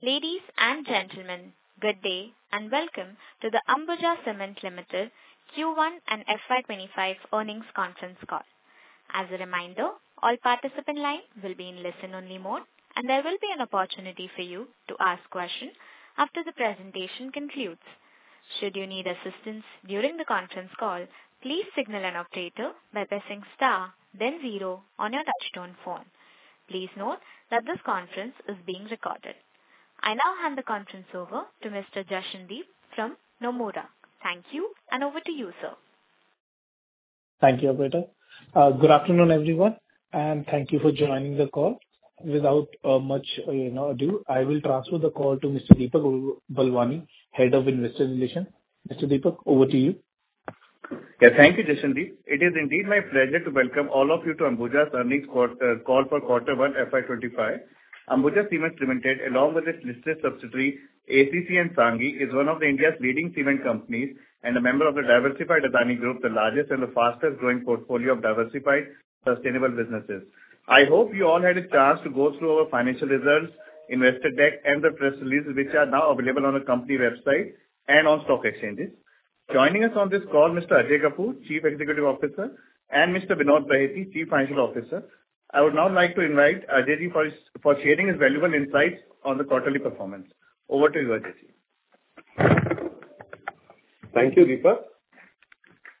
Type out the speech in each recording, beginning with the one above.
Ladies and gentlemen, good day and welcome to the Ambuja Cements Limited Q1 and FY25 earnings conference call. As a reminder, all participant lines will be in listen-only mode, and there will be an opportunity for you to ask questions after the presentation concludes. Should you need assistance during the conference call, please signal an operator by pressing star, then zero on your touch-tone phone. Please note that this conference is being recorded. I now hand the conference over to Mr. Jashandeep from Nomura. Thank you, and over to you, sir. Thank you, Operator. Good afternoon, everyone, and thank you for joining the call. Without much ado, I will transfer the call to Mr. Deepak Balwani, Head of Investor Relations. Mr. Deepak, over to you. Yeah, thank you, Jashandeep. It is indeed my pleasure to welcome all of you to Ambuja's earnings call for Q1, FY 2025. Ambuja Cements Limited, along with its listed subsidiary ACC and Sanghi, is one of India's leading cement companies and a member of the diversified Adani Group, the largest and the fastest growing portfolio of diversified sustainable businesses. I hope you all had a chance to go through our financial results, investor deck, and the press release, which are now available on the company website and on stock exchanges. Joining us on this call, Mr. Ajay Kapur, Chief Executive Officer, and Mr. Vinod Bahety, Chief Financial Officer. I would now like to invite Ajay Ji for sharing his valuable insights on the quarterly performance. Over to you, Ajay Ji. Thank you, Deepak.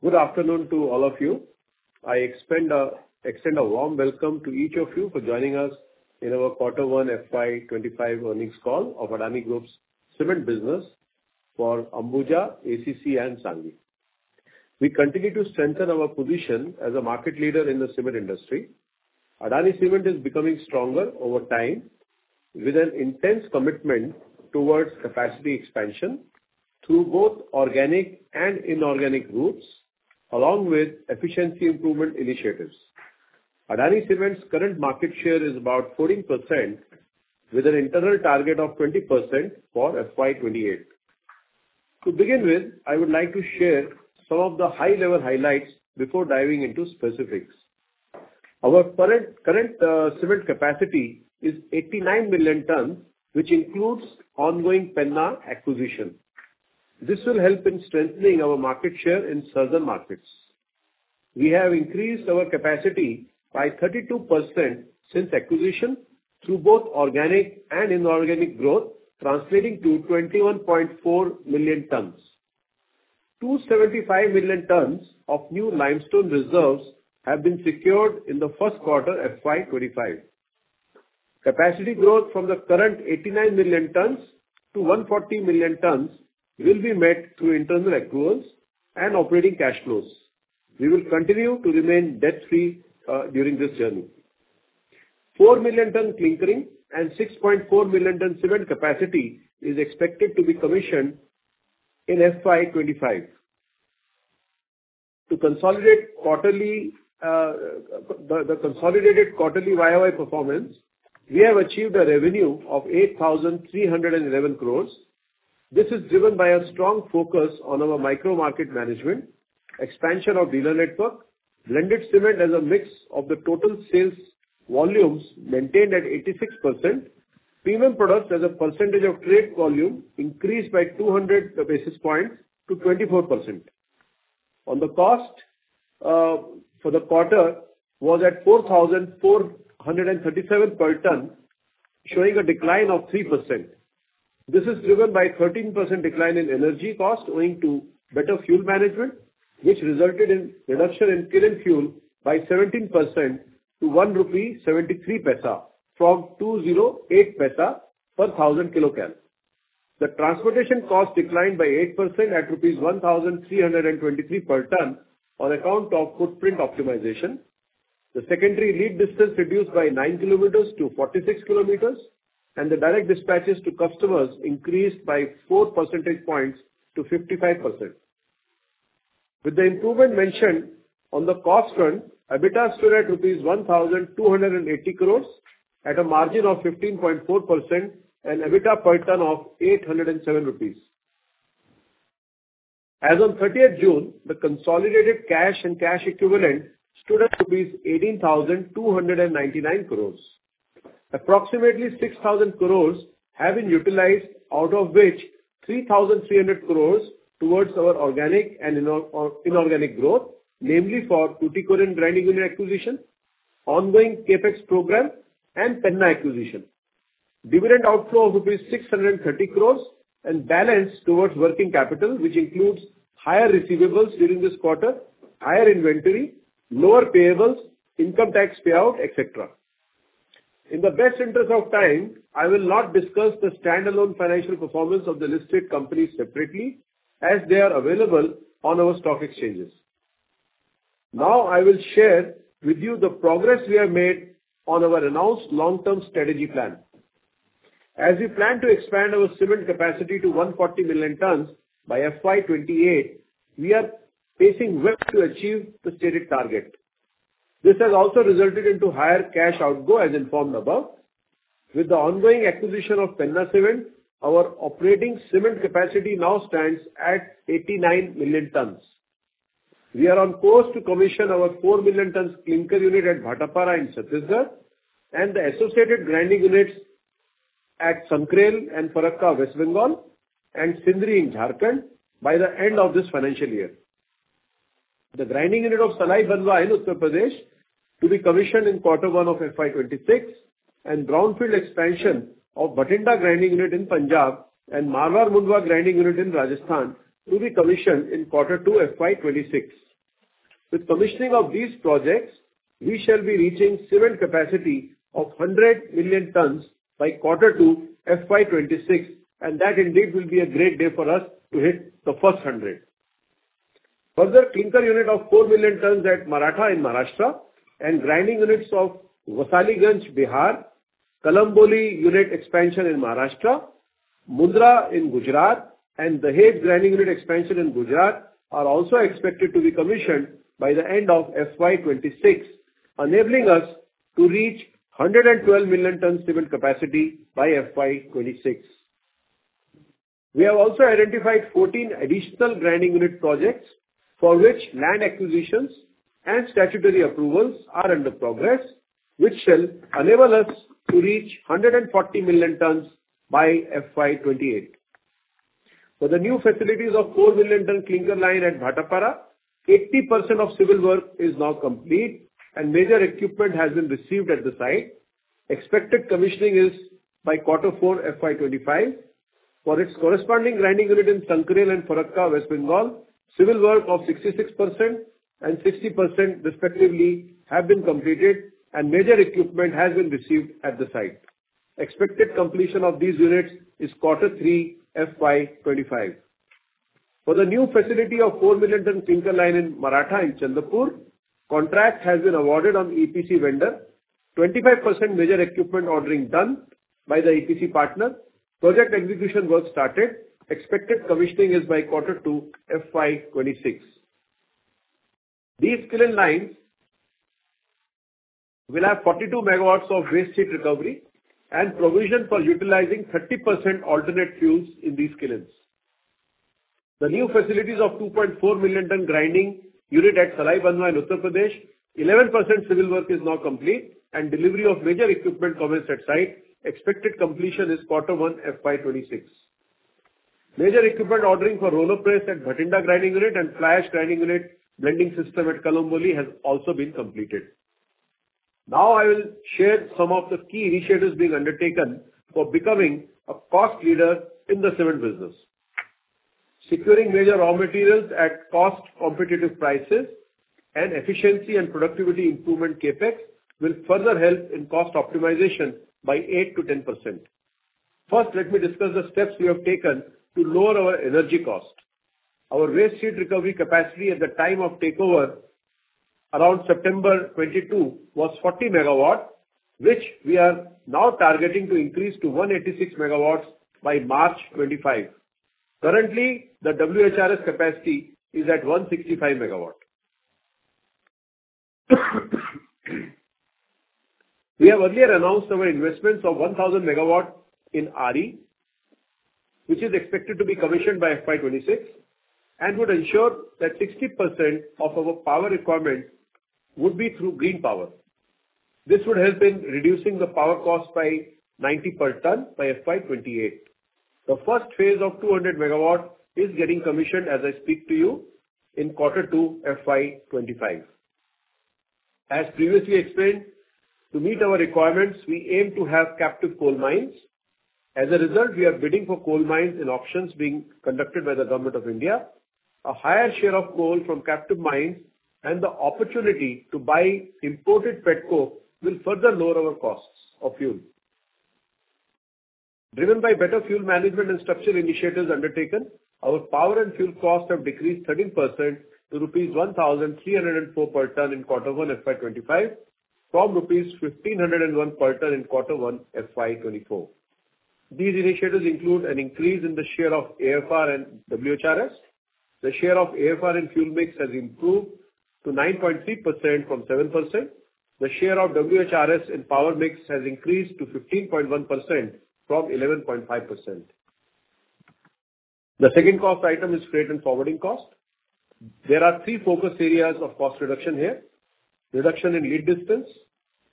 Good afternoon to all of you. I extend a warm welcome to each of you for joining us in our Q1, FY25 earnings call of Adani Group's cement business for Ambuja, ACC, and Sanghi. We continue to strengthen our position as a market leader in the cement industry. Adani Cement is becoming stronger over time with an intense commitment towards capacity expansion through both organic and inorganic routes, along with efficiency improvement initiatives. Adani Cement's current market share is about 14%, with an internal target of 20% for FY28. To begin with, I would like to share some of the high-level highlights before diving into specifics. Our current cement capacity is 89 million tons, which includes ongoing Penna acquisition. This will help in strengthening our market share in certain markets. We have increased our capacity by 32% since acquisition through both organic and inorganic growth, translating to 21.4 million tons. 275 million tons of new limestone reserves have been secured in the first quarter of FY25. Capacity growth from the current 89 million tons to 140 million tons will be met through internal accruals and operating cash flows. We will continue to remain debt-free during this journey. 4 million tons clinker and 6.4 million tons cement capacity is expected to be commissioned in FY25. To consolidate Q1 FY25 performance, we have achieved a revenue of 8,311 crores. This is driven by a strong focus on our micro-market management, expansion of dealer network, blended cement as a mix of the total sales volumes maintained at 86%, premium products as a percentage of trade volume increased by 200 basis points to 24%. On the cost for the quarter was at 4,437 per ton, showing a decline of 3%. This is driven by a 13% decline in energy cost owing to better fuel management, which resulted in reduction in kiln fuel by 17% to ₹1.73 from 208 paise per 1,000 kcal. The transportation cost declined by 8% at ₹1,323 per ton on account of footprint optimization. The secondary lead distance reduced by 9 km to 46 km, and the direct dispatches to customers increased by 4 percentage points to 55%. With the improvement mentioned on the cost run, EBITDA stood at rupees 1,280 crores at a margin of 15.4% and EBITDA per ton of ₹807. As of 30th June, the consolidated cash and cash equivalent stood at rupees 18,299 crores. Approximately 6,000 crore have been utilized, out of which 3,300 crore towards our organic and inorganic growth, namely for Tuticorin Grinding Unit acquisition, ongoing CAPEX program, and Penna acquisition. Dividend outflow of rupees 630 crore and balance towards working capital, which includes higher receivables during this quarter, higher inventory, lower payables, income tax payout, etc. In the best interest of time, I will not discuss the standalone financial performance of the listed companies separately as they are available on our stock exchanges. Now, I will share with you the progress we have made on our announced long-term strategy plan. As we plan to expand our cement capacity to 140 million tons by FY28, we are pacing well to achieve the stated target. This has also resulted in higher cash outgo as informed above. With the ongoing acquisition of Penna Cement, our operating cement capacity now stands at 89 million tons. We are on course to commission our 4 million tons clinker unit at Bhatapara in Chhattisgarh and the associated grinding units at Sankrail and Farakka, West Bengal, and Sindri in Jharkhand by the end of this financial year. The grinding unit of Salai Banwa in Uttar Pradesh to be commissioned in Q1 of FY26, and brownfield expansion of Bhatinda Grinding Unit in Punjab and Marwar Mundwa Grinding Unit in Rajasthan to be commissioned in Q2 FY26. With commissioning of these projects, we shall be reaching cement capacity of 100 million tons by Q2 FY26, and that indeed will be a great day for us to hit the first 100. Further, clinker unit of 4 million tons at Maratha in Maharashtra and grinding units of VWarisaliganj, Bihar, Kalamboli unit expansion in Maharashtra, Mundra in Gujarat, and Dahej grinding unit expansion in Gujarat are also expected to be commissioned by the end of FY26, enabling us to reach 112 million tons cement capacity by FY26. We have also identified 14 additional grinding unit projects for which land acquisitions and statutory approvals are under progress, which shall enable us to reach 140 million tons by FY28. For the new facilities of 4 million ton clinker line at Bhatapara, 80% of civil work is now complete and major equipment has been received at the site. Expected commissioning is by Q4 FY25. For its corresponding grinding unit in Sankrail and Farakka, West Bengal, civil work of 66% and 60% respectively have been completed and major equipment has been received at the site. Expected completion of these units is Q3 FY25. For the new facility of 4 million ton clinker line in Maratha in Chandrapur, contract has been awarded on EPC vendor. 25% major equipment ordering done by the EPC partner. Project execution work started. Expected commissioning is by Q2 FY26. These kiln lines will have 42 megawatts of waste heat recovery and provision for utilizing 30% alternate fuels in these kilns. The new facilities of 2.4 million ton grinding unit at Salai Banwa in Uttar Pradesh, 11% civil work is now complete and delivery of major equipment commenced at site. Expected completion is Q1 FY26. Major equipment ordering for roller press at Bhatinda Grinding Unit and fly ash Grinding Unit blending system at Kalamboli has also been completed. Now, I will share some of the key initiatives being undertaken for becoming a cost leader in the cement business. Securing major raw materials at cost competitive prices and efficiency and productivity improvement, capex will further help in cost optimization by 8%-10%. First, let me discuss the steps we have taken to lower our energy cost. Our waste heat recovery capacity at the time of takeover around September 2022 was 40 MW, which we are now targeting to increase to 186 MW by March 2025. Currently, the WHRS capacity is at 165 MW. We have earlier announced our investments of 1,000 MW in RE, which is expected to be commissioned by FY2026 and would ensure that 60% of our power requirement would be through green power. This would help in reducing the power cost by 90 per ton by FY2028. The first phase of 200 MW is getting commissioned as I speak to you in Q2 FY2025. As previously explained, to meet our requirements, we aim to have captive coal mines. As a result, we are bidding for coal mines in auctions being conducted by the Government of India. A higher share of coal from captive mines and the opportunity to buy imported pet coke will further lower our costs of fuel. Driven by better fuel management and structure initiatives undertaken, our power and fuel costs have decreased 13% to ₹1,304 per ton in Q1 FY25 from ₹1,501 per ton in Q1 FY24. These initiatives include an increase in the share of AFR and WHRS. The share of AFR in fuel mix has improved to 9.3% from 7%. The share of WHRS in power mix has increased to 15.1% from 11.5%. The second cost item is freight and forwarding cost. There are three focus areas of cost reduction here: reduction in lead distance,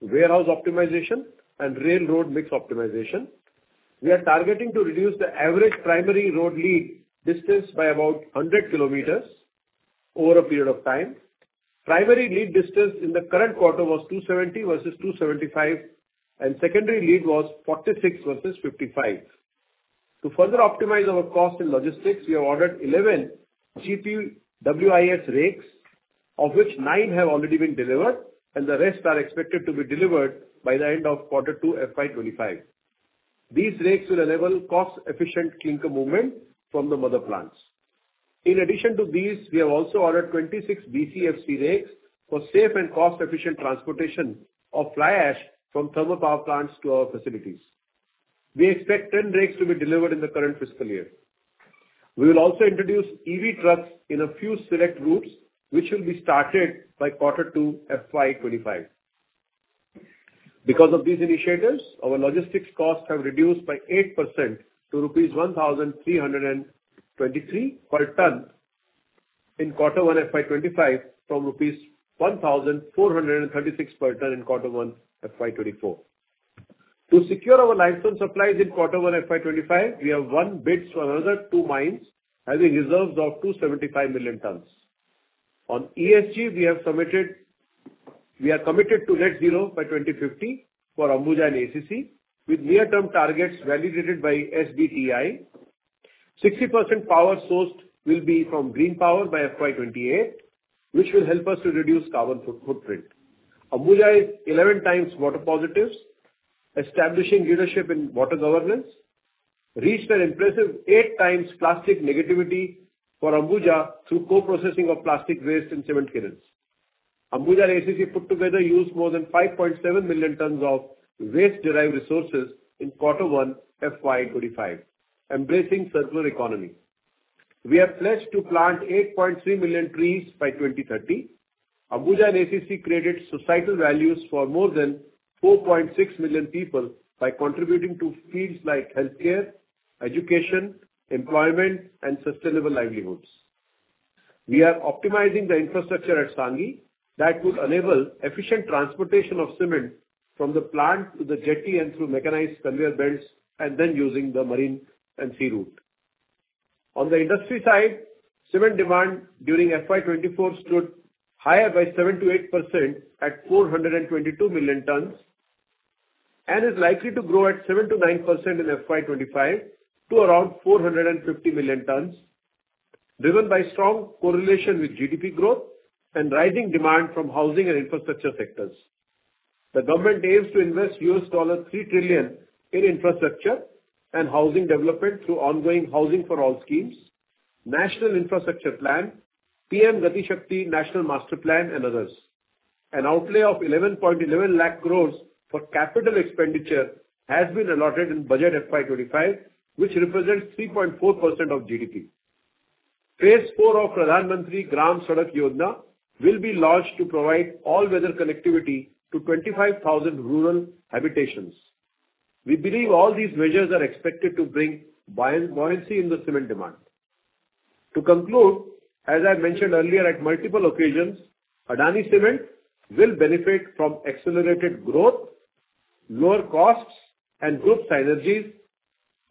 warehouse optimization, and railroad mix optimization. We are targeting to reduce the average primary lead distance by about 100 km over a period of time. Primary lead distance in the current quarter was 270 versus 275, and secondary lead was 46 versus 55. To further optimize our cost and logistics, we have ordered 11 GPWIS rakes, of which 9 have already been delivered, and the rest are expected to be delivered by the end of Q2 FY25. These rakes will enable cost-efficient clinker movement from the mother plants. In addition to these, we have also ordered 26 BCFC rakes for safe and cost-efficient transportation of fly ash from thermal power plants to our facilities. We expect 10 rakes to be delivered in the current fiscal year. We will also introduce EV trucks in a few select routes, which will be started by Q2 FY25. Because of these initiatives, our logistics costs have reduced by 8% to ₹1,323 per ton in Q1 FY25 from ₹1,436 per ton in Q1 FY24. To secure our limestone supplies in Q1 FY25, we have won bids for another two mines having reserves of 275 million tons. On ESG, we are committed to net zero by 2050 for Ambuja and ACC, with near-term targets validated by SBTi. 60% power sourced will be from green power by FY28, which will help us to reduce carbon footprint. Ambuja is 11 times water positives, establishing leadership in water governance, reached an impressive 8 times plastic negativity for Ambuja through co-processing of plastic waste in cement kilns. Ambuja and ACC put together use more than 5.7 million tons of waste-derived resources in Q1 FY25, embracing circular economy. We are pledged to plant 8.3 million trees by 2030. Ambuja and ACC created societal values for more than 4.6 million people by contributing to fields like healthcare, education, employment, and sustainable livelihoods. We are optimizing the infrastructure at Sanghi that would enable efficient transportation of cement from the plant to the jetty and through mechanized conveyor belts and then using the marine and sea route. On the industry side, cement demand during FY24 stood higher by 7%-8% at 422 million tons and is likely to grow at 7%-9% in FY25 to around 450 million tons, driven by strong correlation with GDP growth and rising demand from housing and infrastructure sectors. The government aims to invest $3 trillion in infrastructure and housing development through ongoing Housing for All schemes, National Infrastructure Plan, PM Gati Shakti National Master Plan, and others. An outlay of 1,111,000 crore for capital expenditure has been allotted in budget FY25, which represents 3.4% of GDP. Phase 4 of Pradhan Mantri Gram Sadak Yojana will be launched to provide all-weather connectivity to 25,000 rural habitations. We believe all these measures are expected to bring buoyancy in the cement demand. To conclude, as I mentioned earlier at multiple occasions, Adani Cement will benefit from accelerated growth, lower costs, and group synergies,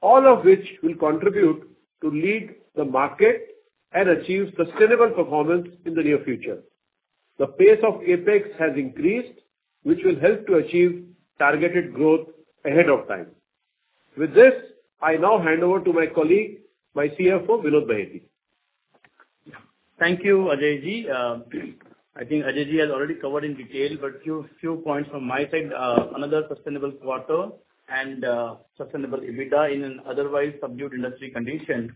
all of which will contribute to lead the market and achieve sustainable performance in the near future. The pace of CAPEX has increased, which will help to achieve targeted growth ahead of time. With this, I now hand over to my colleague, my CFO, Vinod Bahety. Thank you, Ajay. I think Ajay has already covered in detail, but a few points from my side. Another sustainable quarter and sustainable EBITDA in an otherwise subdued industry condition.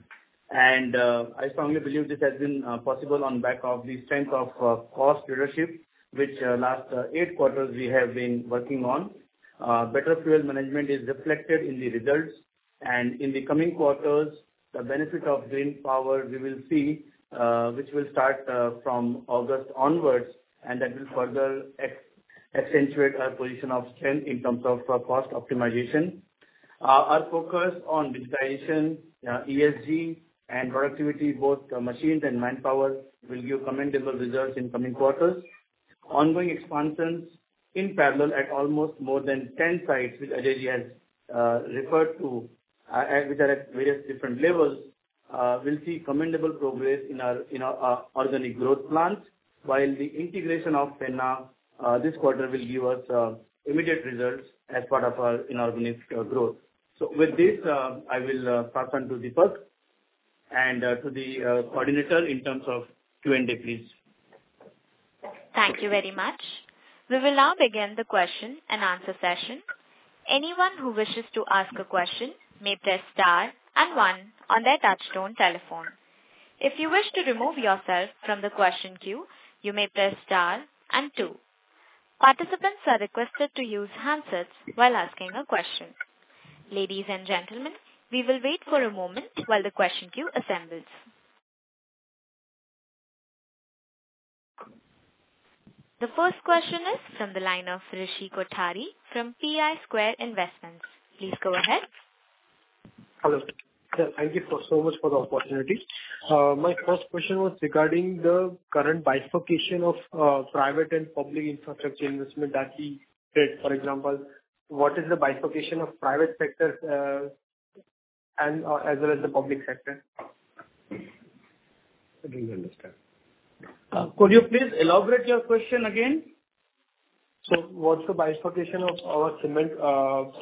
I strongly believe this has been possible on the back of the strength of cost leadership, which last eight quarters we have been working on. Better fuel management is reflected in the results. In the coming quarters, the benefit of green power we will see, which will start from August onwards, and that will further accentuate our position of strength in terms of cost optimization. Our focus on digitization, ESG, and productivity, both machine and manpower, will give commendable results in coming quarters. Ongoing expansions in parallel at almost more than 10 sites, which Ajay has referred to, which are at various different levels, will see commendable progress in our organic growth plans, while the integration of Penna, this quarter, will give us immediate results as part of our inorganic growth. So with this, I will pass on to Deepak and to the coordinator in terms of Q&A, please. Thank you very much. We will now begin the question and answer session. Anyone who wishes to ask a question may press star and one on their touch-tone telephone. If you wish to remove yourself from the question queue, you may press star and two. Participants are requested to use handsets while asking a question. Ladies and gentlemen, we will wait for a moment while the question queue assembles. The first question is from the line of Rishi Kothari from PI Square Investments. Please go ahead. Hello. Thank you so much for the opportunity. My first question was regarding the current bifurcation of private and public infrastructure investment that we did. For example, what is the bifurcation of private sector as well as the public sector? I don't understand. Could you please elaborate your question again? So what's the bifurcation of our cement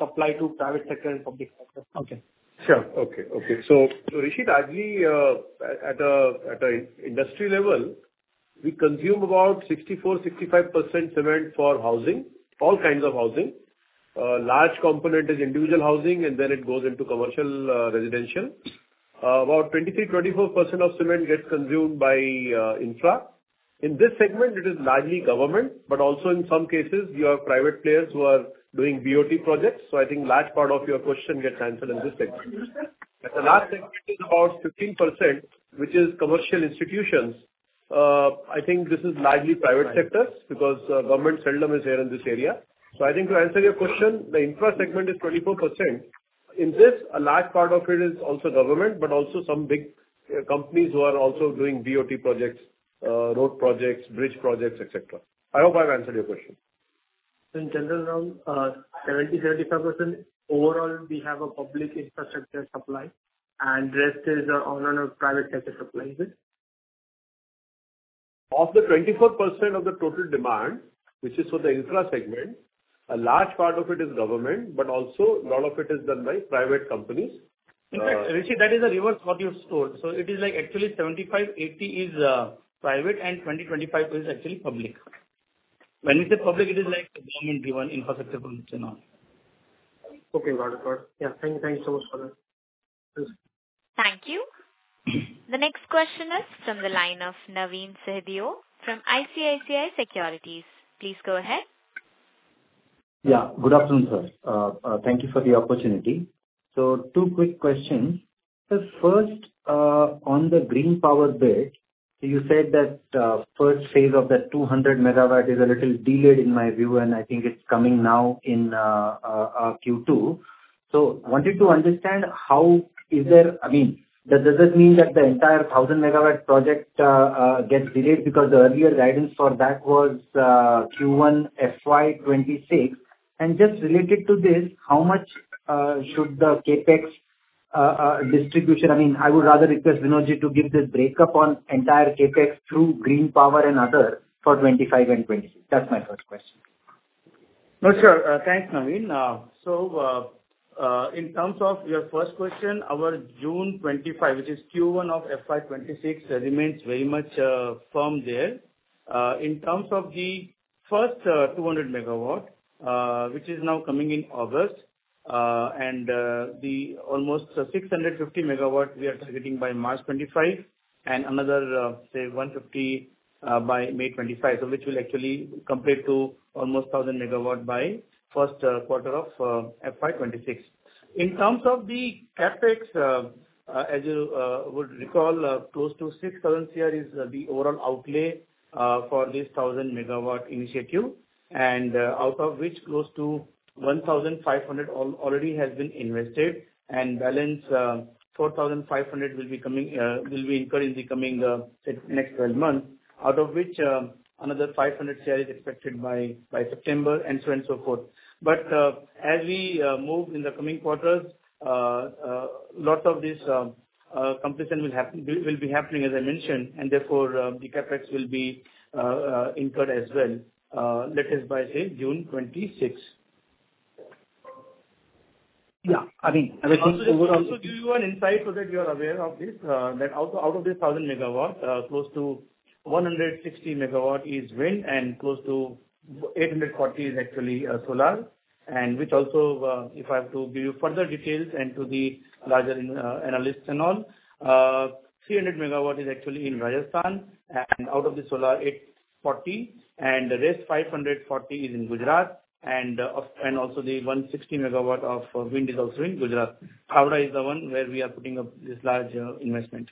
supply to private sector and public sector? Okay. Sure. Okay. Okay. So Rishi, largely at an industry level, we consume about 64%-65% cement for housing, all kinds of housing. A large component is individual housing, and then it goes into commercial residential. About 23%-24% of cement gets consumed by infra. In this segment, it is largely government, but also in some cases, you have private players who are doing BOT projects. So I think a large part of your question gets answered in this segment. At the last segment, it's about 15%, which is commercial institutions. I think this is largely private sectors because Government seldom is here in this area. So I think to answer your question, the infra segment is 24%. In this, a large part of it is also government, but also some big companies who are also doing BOT projects, road projects, bridge projects, etc. I hope I've answered your question. In general, around 70%-75% overall, we have a public infrastructure supply, and the rest is on private sector supplies. Of the 24% of the total demand, which is for the infra segment, a large part of it is government, but also a lot of it is done by private companies. In fact, Rishi, that is a reverse what you've told. So it is like actually 75%-80% is private, and 20%-25% is actually public. When we say public, it is like government-driven infrastructure projects and all. Okay. Got it. Got it. Yeah. Thank you so much for that. Thank you. The next question is from the line of Navin Sahadeo from ICICI Securities. Please go ahead. Yeah. Good afternoon, sir. Thank you for the opportunity. So two quick questions. First, on the green power bit, you said that first phase of that 200 MW is a little delayed in my view, and I think it's coming now in Q2. So I wanted to understand how is there I mean, does that mean that the entire 1,000 MW project gets delayed because the earlier guidance for that was Q1 FY26? And just related to this, how much should the CAPEX distribution I mean, I would rather request Vinod to give this breakup on entire CAPEX through green power and other for 25 and 26. That's my first question. No, sure. Thanks, Naveen. So in terms of your first question, our June 2025, which is Q1 of FY26, remains very much firm there. In terms of the first 200 MW, which is now coming in August, and the almost 650 MW we are targeting by March 2025, and another, say, 150 by May 2025, which will actually compare to almost 1,000 MW by first quarter of FY26. In terms of the CAPEX, as you would recall, close to 6,000 crore is the overall outlay for this 1,000 MW initiative, and out of which close to 1,500 crore already has been invested, and balance 4,500 crore will be incurred in the coming next 12 months, out of which another 500 crore are expected by September, and so on and so forth. But as we move in the coming quarters, lots of this completion will be happening, as I mentioned, and therefore the CAPEX will be incurred as well, let's say by June 2026. Yeah. I mean, I will also give you an insight so that you are aware of this, that out of this 1,000 MW, close to 160 MW is wind, and close to 840 MW is actually solar. And which also, if I have to give you further details and to the larger analysts and all, 300 MW is actually in Rajasthan, and out of the solar 840 MW, and the rest 540 MW is in Gujarat, and also the 160 MW of wind is also in Gujarat. Kutch is the one where we are putting up this large investment.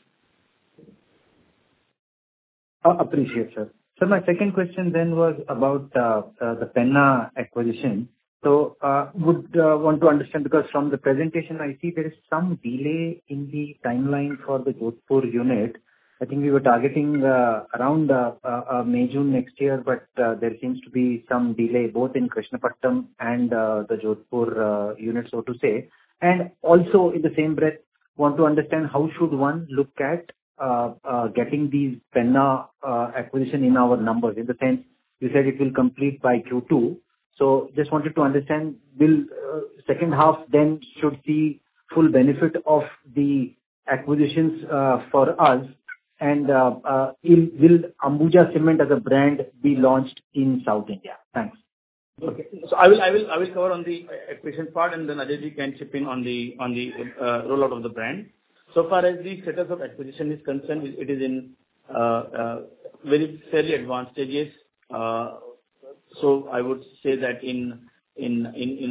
Appreciate it, sir. So my second question then was about the Penna acquisition. So I would want to understand because from the presentation, I see there is some delay in the timeline for the Jodhpur unit. I think we were targeting around May, June next year, but there seems to be some delay both in Krishnapatnam and the Jodhpur unit, so to say. And also in the same breath, I want to understand how should one look at getting these Penna acquisitions in our numbers? In the sense, you said it will complete by Q2. So just wanted to understand, will the second half then should see full benefit of the acquisitions for us, and will Ambuja Cement as a brand be launched in South India? Thanks. Okay. So I will cover on the acquisition part, and then Ajay can chip in on the rollout of the brand. So far, as the status of acquisition is concerned, it is in very fairly advanced stages. So I would say that in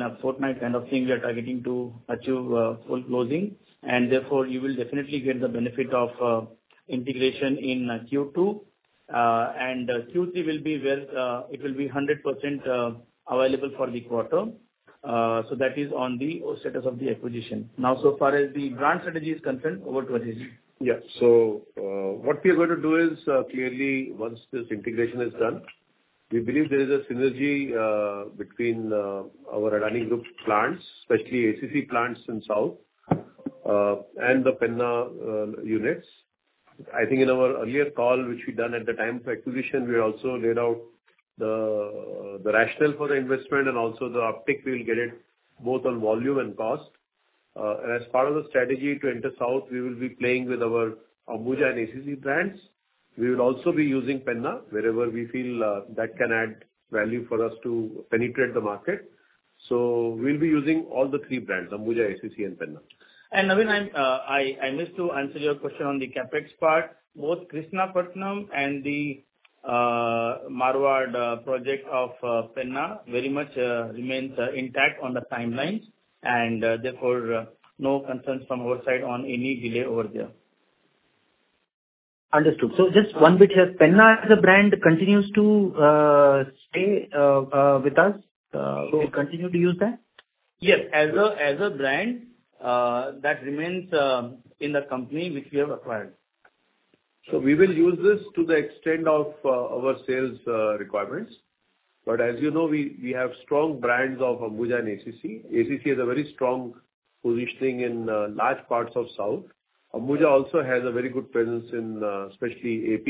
a fortnight kind of thing, we are targeting to achieve full closing, and therefore you will definitely get the benefit of integration in Q2. Q3 will be where it will be 100% available for the quarter. So that is on the status of the acquisition. Now, so far as the grant strategy is concerned, over to Ajay. Yeah. So what we are going to do is clearly, once this integration is done, we believe there is a synergy between our Adani Group plants, especially ACC plants in South, and the Penna units. I think in our earlier call, which we did at the time of acquisition, we also laid out the rationale for the investment and also the uptake we will get from it both on volume and cost. As part of the strategy to enter South, we will be playing with our Ambuja and ACC brands. We will also be using Penna wherever we feel that can add value for us to penetrate the market. So we'll be using all three brands, Ambuja, ACC, and Penna. Naveen, I missed to answer your question on the CAPEX part. Both Krishnapatnam and the Marwar Mundwa project of Penna very much remain intact on the timelines, and therefore no concerns from our side on any delay over there. Understood. So just one bit here. Penna as a brand continues to stay with us? Will we continue to use that? Yes. As a brand, that remains in the company which we have acquired. So we will use this to the extent of our sales requirements. But as you know, we have strong brands of Ambuja and ACC. ACC has a very strong positioning in large parts of South. Ambuja also has a very good presence in especially AP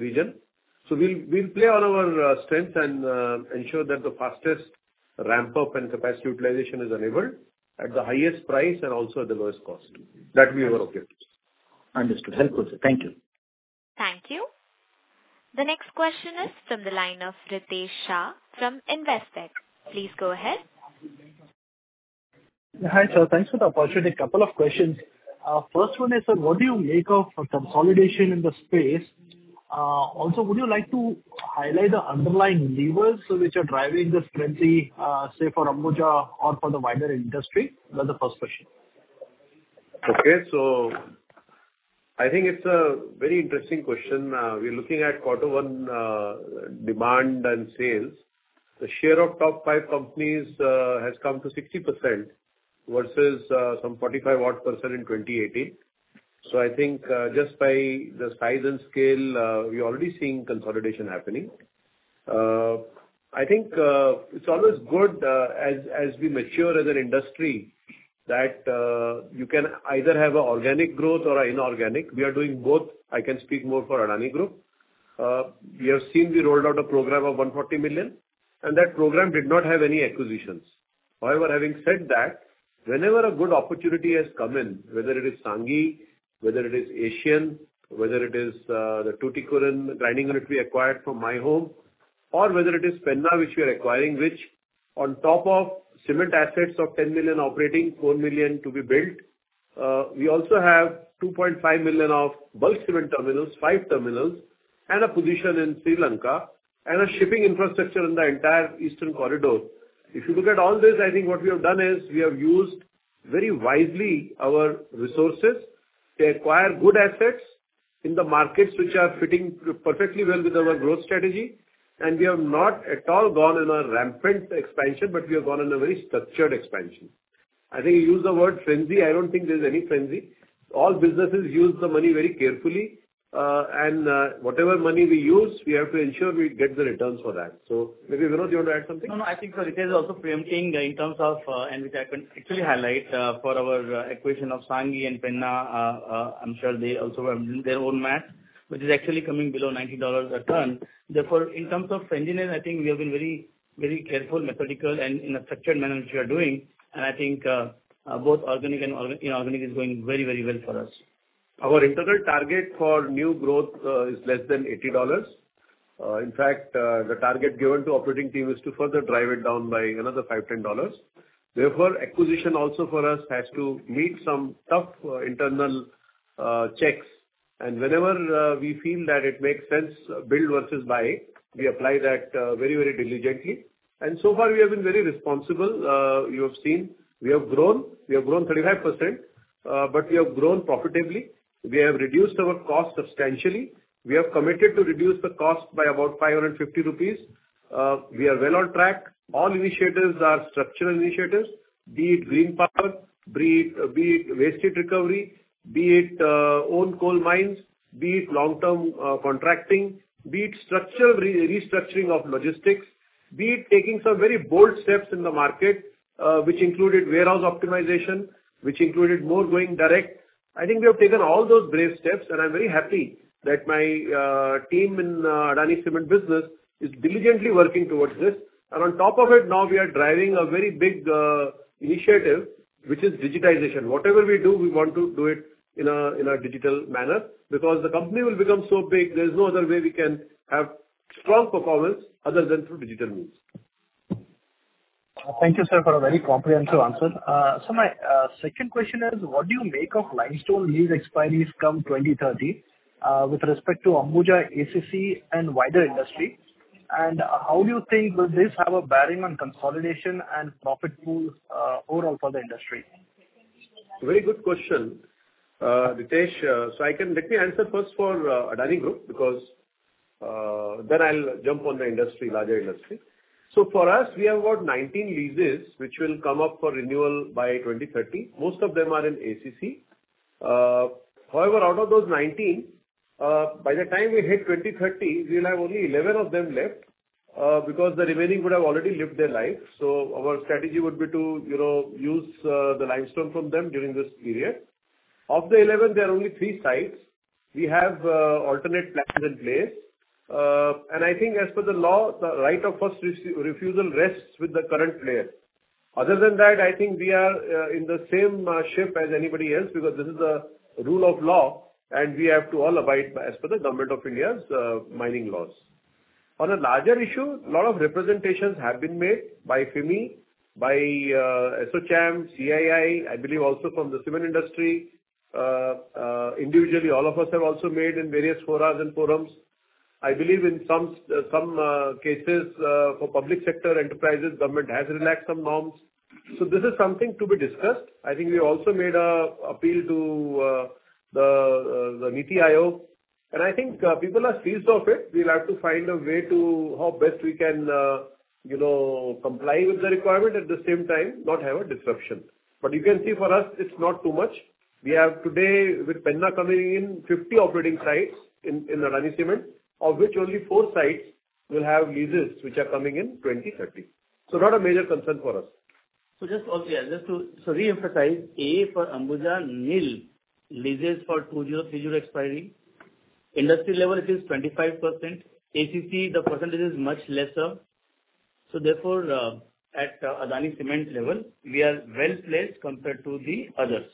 region. So we'll play on our strengths and ensure that the fastest ramp-up and capacity utilization is enabled at the highest price and also at the lowest cost. That we are okay with. Understood. Helpful, sir. Thank you. Thank you. The next question is from the line of Ritesh Shah from Investec. Please go ahead. Hi sir. Thanks for the opportunity. A couple of questions. First one is, sir, what do you make of consolidation in the space? Also, would you like to highlight the underlying levers which are driving the strength, say, for Ambuja or for the wider industry? That's the first question. Okay. So I think it's a very interesting question. We're looking at quarter one demand and sales. The share of top five companies has come to 60% versus some 45-odd% in 2018. So I think just by the size and scale, we are already seeing consolidation happening. I think it's always good as we mature as an industry that you can either have an organic growth or an inorganic. We are doing both. I can speak more for Adani Group. You have seen we rolled out a program of 140 million, and that program did not have any acquisitions. However, having said that, whenever a good opportunity has come in, whether it is Sanghi, whether it is Asian, whether it is the Tuticorin Grinding that we acquired from My Home, or whether it is Penna, which we are acquiring, which on top of cement assets of 10 million operating, 4 million to be built, we also have 2.5 million of bulk cement terminals, five terminals, and a position in Sri Lanka and a shipping infrastructure in the entire eastern corridor. If you look at all this, I think what we have done is we have used very wisely our resources. They acquire good assets in the markets which are fitting perfectly well with our growth strategy, and we have not at all gone on a rampant expansion, but we have gone on a very structured expansion. I think you used the word frenzy. I don't think there's any frenzy. All businesses use the money very carefully, and whatever money we use, we have to ensure we get the returns for that. So maybe Vinod, you want to add something? No, no. I think so it is also preempting in terms of, and which I can actually highlight for our acquisition of Sanghi and Penna. I'm sure they also have their own math, which is actually coming below $90 a ton. Therefore, in terms of engineering, I think we have been very, very careful, methodical, and in a structured manner which we are doing. And I think both organic and inorganic is going very, very well for us. Our integral target for new growth is less than $80. In fact, the target given to the operating team is to further drive it down by another $5-$10. Therefore, acquisition also for us has to meet some tough internal checks. Whenever we feel that it makes sense, build versus buy, we apply that very, very diligently. So far, we have been very responsible. You have seen we have grown. We have grown 35%, but we have grown profitably. We have reduced our cost substantially. We have committed to reduce the cost by about 550 rupees. We are well on track. All initiatives are structural initiatives, be it green power, be it waste recovery, be it own coal mines, be it long-term contracting, be it structural restructuring of logistics, be it taking some very bold steps in the market, which included warehouse optimization, which included more going direct. I think we have taken all those brave steps, and I'm very happy that my team in Adani Cement business is diligently working towards this. On top of it, now we are driving a very big initiative, which is digitization. Whatever we do, we want to do it in a digital manner because the company will become so big, there is no other way we can have strong performance other than through digital means. Thank you, sir, for a very comprehensive answer. So my second question is, what do you make of limestone lease expiries come 2030 with respect to Ambuja, ACC, and wider industry? And how do you think will this have a bearing on consolidation and profit pools overall for the industry? Very good question, Ritesh. So let me answer first for Adani Group because then I'll jump on the industry, larger industry. So for us, we have about 19 leases which will come up for renewal by 2030. Most of them are in ACC. However, out of those 19, by the time we hit 2030, we will have only 11 of them left because the remaining would have already lived their life. So our strategy would be to use the limestone from them during this period. Of the 11, there are only three sites. We have alternate plans in place. I think as per the law, the right of first refusal rests with the current player. Other than that, I think we are in the same ship as anybody else because this is the rule of law, and we have to all abide by, as per the Government of India, mining laws. On a larger issue, a lot of representations have been made by FIMI, by ASSOCHAM, CII, I believe also from the cement industry. Individually, all of us have also made in various forums and forums. I believe in some cases for public sector enterprises, government has relaxed some norms. This is something to be discussed. I think we also made an appeal to the NITI Aayog. I think people are seized of it. We'll have to find a way to how best we can comply with the requirement at the same time, not have a disruption. But you can see for us, it's not too much. We have today, with Penna coming in, 50 operating sites in Adani Cement, of which only 4 sites will have leases which are coming in 2030. Not a major concern for us. Just to reemphasize, A for Ambuja, NIL leases for 2030 expiry. Industry level, it is 25%. ACC, the percentage is much lesser. Therefore, at Adani Cement level, we are well placed compared to the others.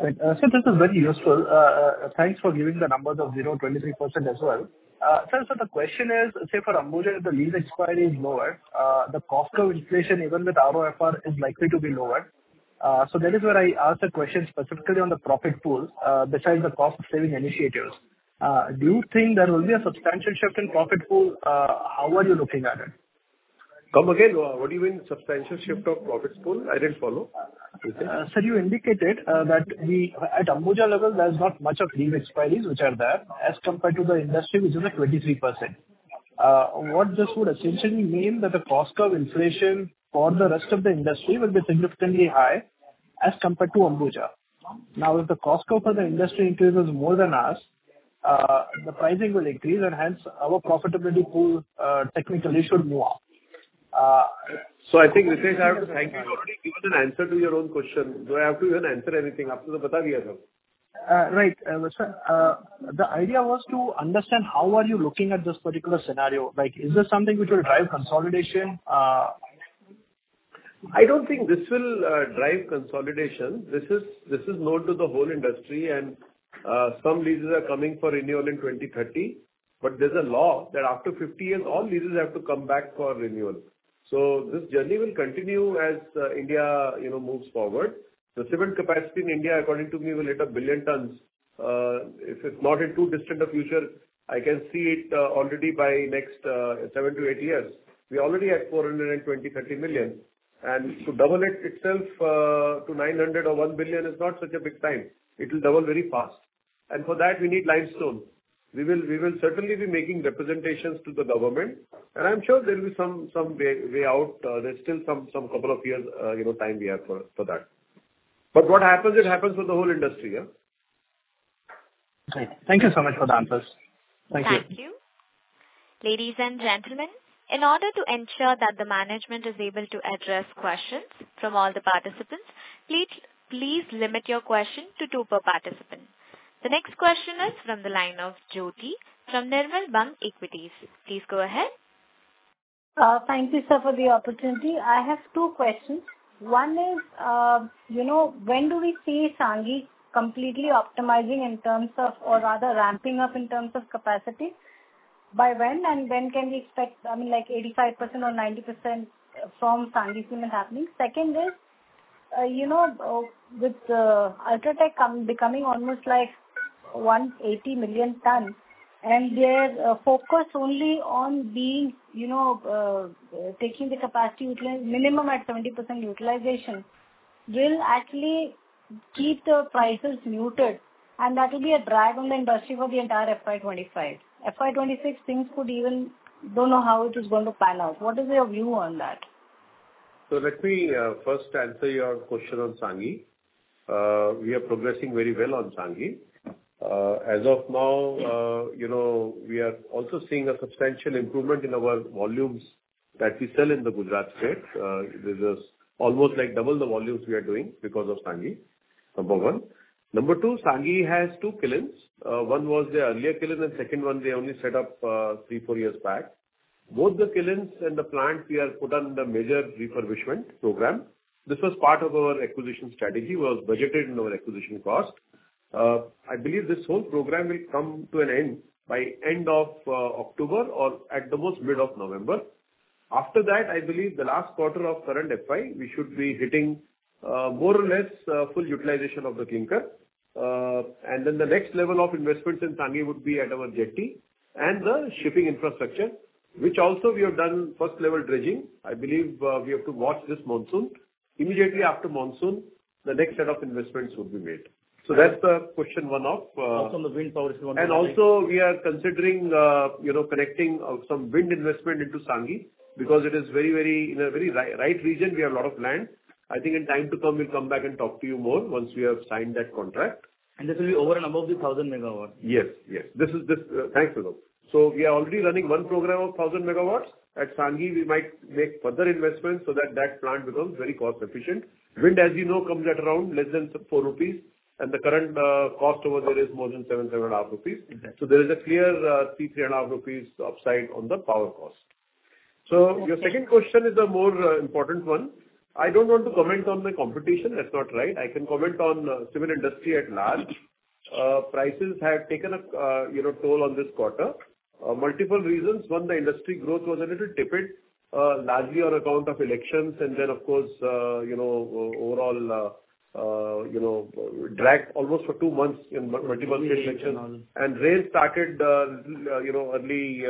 This is very useful. Thanks for giving the numbers of 0%-23% as well. So the question is, say for Ambuja, if the lease expiry is lower, the cost of inflation, even with ROFR, is likely to be lower. So that is where I asked a question specifically on the profit pool besides the cost-saving initiatives. Do you think there will be a substantial shift in profit pool? How are you looking at it? Come again, what do you mean substantial shift of profit pool? I didn't follow. Sir, you indicated that at Ambuja level, there's not much of lease expiries which are there as compared to the industry, which is at 23%. What this would essentially mean is that the cost of inflation for the rest of the industry will be significantly high as compared to Ambuja. Now, if the cost for the industry increases more than us, the pricing will increase, and hence our profitability pool technically should move up. So I think, Ritesh, I have to thank you. You already given an answer to your own question. Do I have to even answer anything after the bata diya? Right. The idea was to understand how are you looking at this particular scenario? Is this something which will drive consolidation? I don't think this will drive consolidation. This is known to the whole industry, and some leases are coming for renewal in 2030. But there's a law that after 50 years, all leases have to come back for renewal. So this journey will continue as India moves forward. The cement capacity in India, according to me, will hit 1 billion tons. If it's not in too distant a future, I can see it already by next 7-8 years. We already had 42-30 million. And to double it itself to 900 or 1 billion is not such a big time. It will double very fast. And for that, we need limestone. We will certainly be making representations to the government, and I'm sure there will be some way out. There's still some couple of years' time we have for that. But what happens, it happens for the whole industry. Thank you so much for the answers. Thank you. Thank you. Ladies and gentlemen, in order to ensure that the management is able to address questions from all the participants, please limit your question to two per participant. The next question is from the line of Jyoti from Nirmal Bang Equities. Please go ahead. Thank you, sir, for the opportunity. I have two questions. One is, when do we see Sanghi completely optimizing in terms of, or rather ramping up in terms of capacity? By when? And when can we expect, I mean, like 85% or 90% from Sanghi cement happening? Second is, with UltraTech becoming almost like 180 million tons and their focus only on taking the capacity minimum at 70% utilization, will actually keep the prices muted, and that will be a drag on the industry for the entire FY25. FY26, things could even don't know how it is going to pan out. What is your view on that? So let me first answer your question on Sanghi. We are progressing very well on Sanghi. As of now, we are also seeing a substantial improvement in our volumes that we sell in the Gujarat state. There's almost like double the volumes we are doing because of Sanghi, number one. Number two, Sanghi has two kilns. One was the earlier kiln, and second one, they only set up 3, 4 years back. Both the kilns and the plants we are put under major refurbishment program. This was part of our acquisition strategy, was budgeted in our acquisition cost. I believe this whole program will come to an end by end of October or at the most mid of November. After that, I believe the last quarter of current FY, we should be hitting more or less full utilization of the clinker. And then the next level of investments in Sanghi would be at our jetty and the shipping infrastructure, which also we have done first-level dredging. I believe we have to watch this monsoon. Immediately after monsoon, the next set of investments would be made. So that's the question. On the wind power and also, we are considering connecting some wind investment into Sanghi because it is very, very windy in a very right region. We have a lot of land. I think in time to come, we'll come back and talk to you more once we have signed that contract. And this will be over and above the 1,000 megawatts? Yes, yes. Thanks for that. So we are already running one program of 1,000 megawatts. At Sanghi, we might make further investments so that that plant becomes very cost-efficient. Wind, as you know, comes at around less than ₹4, and the current cost over there is more than ₹7, ₹7.5. So there is a clear ₹3, ₹3.5 upside on the power cost. So your second question is the more important one. I don't want to comment on the competition. That's not right. I can comment on cement industry at large. Prices have taken a toll on this quarter. Multiple reasons. One, the industry growth was a little tepid, largely on account of elections, and then, of course, overall drag almost for two months in multiple elections. And rain started early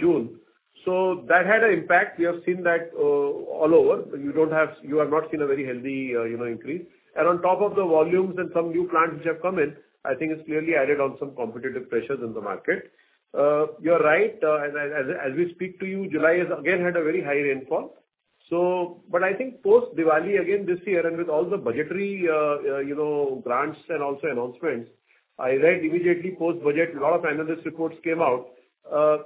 June. So that had an impact. We have seen that all over. You have not seen a very healthy increase. And on top of the volumes and some new plants which have come in, I think it's clearly added on some competitive pressures in the market. You're right. As we speak to you, July has again had a very high rainfall. But I think post-Diwali, again this year, and with all the budgetary grants and also announcements, I read immediately post-budget, a lot of analyst reports came out,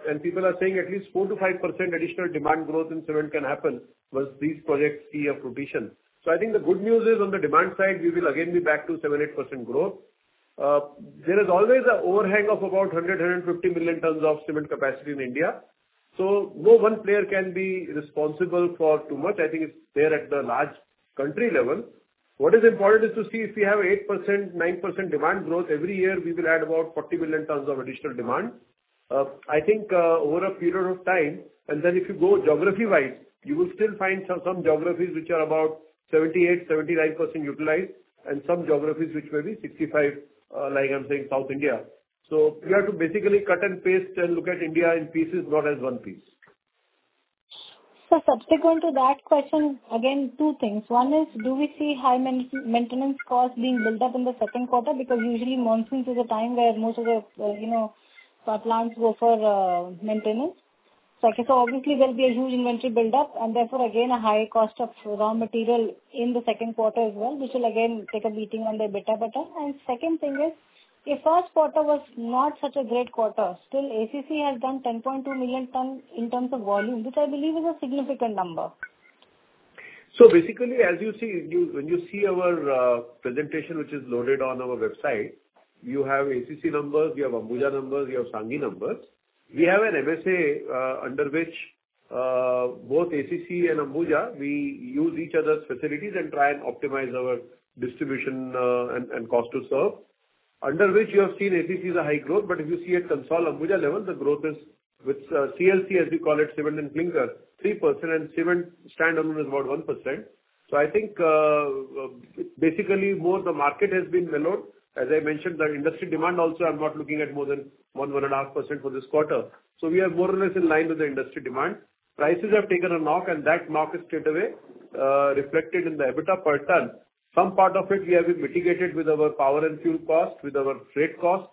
and people are saying at least 4%-5% additional demand growth in cement can happen once these projects see a rotation. So I think the good news is on the demand side, we will again be back to 7%-8% growth. There is always an overhang of about 100-150 million tons of cement capacity in India. So no one player can be responsible for too much. I think it's there at the large country level. What is important is to see if we have 8%-9% demand growth every year, we will add about 40 million tons of additional demand. I think over a period of time, and then if you go geography-wise, you will still find some geographies which are about 78%-79% utilized, and some geographies which may be 65%, like I'm saying, South India. So we have to basically cut and paste and look at India in pieces, not as one piece. So subsequent to that question, again, two things. One is, do we see high maintenance costs being built up in the second quarter? Because usually, monsoons is a time where most of the plants go for maintenance. So obviously, there'll be a huge inventory buildup, and therefore, again, a high cost of raw material in the second quarter as well, which will again take a beating on the EBITDA. And second thing is, if first quarter was not such a great quarter, still ACC has done 10.2 million tons in terms of volume, which I believe is a significant number. So basically, as you see, when you see our presentation, which is loaded on our website, you have ACC numbers, you have Ambuja numbers, you have Sanghi numbers. We have an MSA under which both ACC and Ambuja, we use each other's facilities and try and optimize our distribution and cost to serve. Under which you have seen ACC is a high growth, but if you see at consolidated Ambuja level, the growth is with CLC, as we call it, cement and clinker, 3%, and cement standalone is about 1%. So I think basically more the market has been mellowed. As I mentioned, the industry demand also, I'm not looking at more than 1%-1.5% for this quarter. So we are more or less in line with the industry demand. Prices have taken a knock, and that knock has stayed away, reflected in the EBITDA per ton. Some part of it we have mitigated with our power and fuel cost, with our freight cost.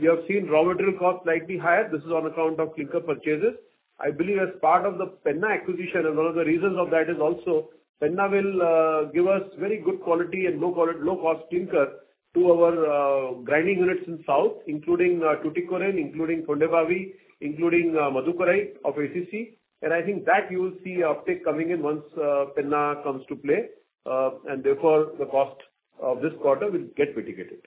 We have seen raw material cost slightly higher. This is on account of clinker purchases. I believe as part of the Penna acquisition, and one of the reasons of that is also Penna will give us very good quality and low-cost clinker to our grinding units in south, including Tuticorin, including Thondebhavi, including Madukkarai of ACC. And I think that you will see an uptick coming in once Penna comes to play. And therefore, the cost of this quarter will get mitigated.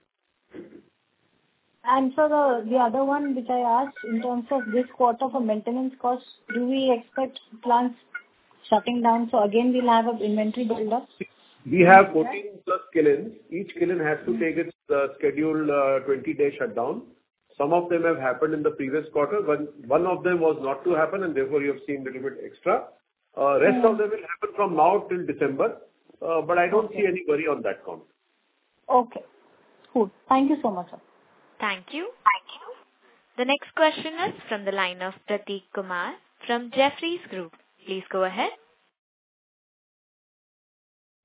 And for the other one which I asked, in terms of this quarter for maintenance costs, do we expect plants shutting down? So again, we'll have an inventory buildup. We have 14+ kilns. Each kiln has to take its scheduled 20-day shutdown. Some of them have happened in the previous quarter. One of them was not to happen, and therefore you have seen a little bit extra. Rest of them will happen from now till December. But I don't see any worry on that count. Okay. Cool. Thank you so much, sir. Thank you. The next question is from the line of Prateek Kumar from Jefferies Group. Please go ahead.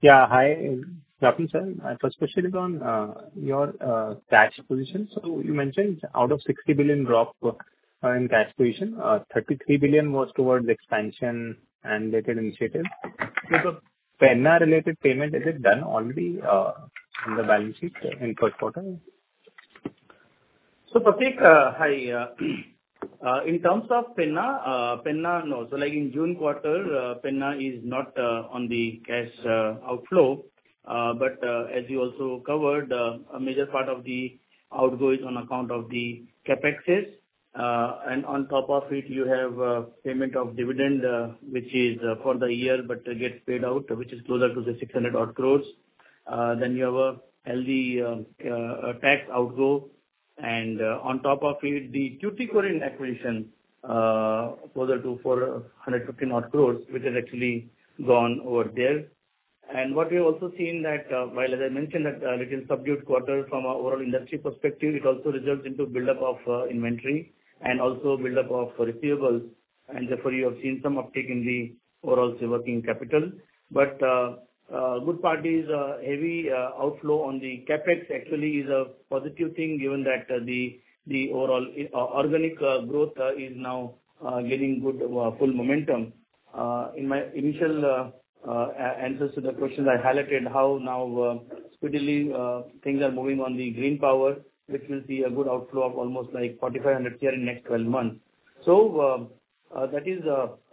Yeah. Hi, Nitin sir. My first question is on your tax position. So you mentioned out of 60 billion drop in tax position, 33 billion was towards expansion and related initiatives. So the Penna-related payment, is it done already on the balance sheet in first quarter? So Prateek, hi. In terms of Penna, Penna no. So like in June quarter, Penna is not on the cash outflow. But as you also covered, a major part of the outgoings on account of the CAPEX. And on top of it, you have payment of dividend, which is for the year, but gets paid out, which is closer to 600-odd crore. Then you have a healthy tax outflow. And on top of it, the Tuticorin acquisition closer to 415-odd crore, which has actually gone over there. And what we have also seen that, while as I mentioned that little subdued quarter from our overall industry perspective, it also results into buildup of inventory and also buildup of receivables. And therefore, you have seen some uptick in the overall working capital. But good part is heavy outflow on the CAPEX actually is a positive thing given that the overall organic growth is now getting good full momentum. In my initial answers to the question, I highlighted how now speedily things are moving on the green power, which will see a good outflow of almost like 4,500 crores in the next 12 months. So that is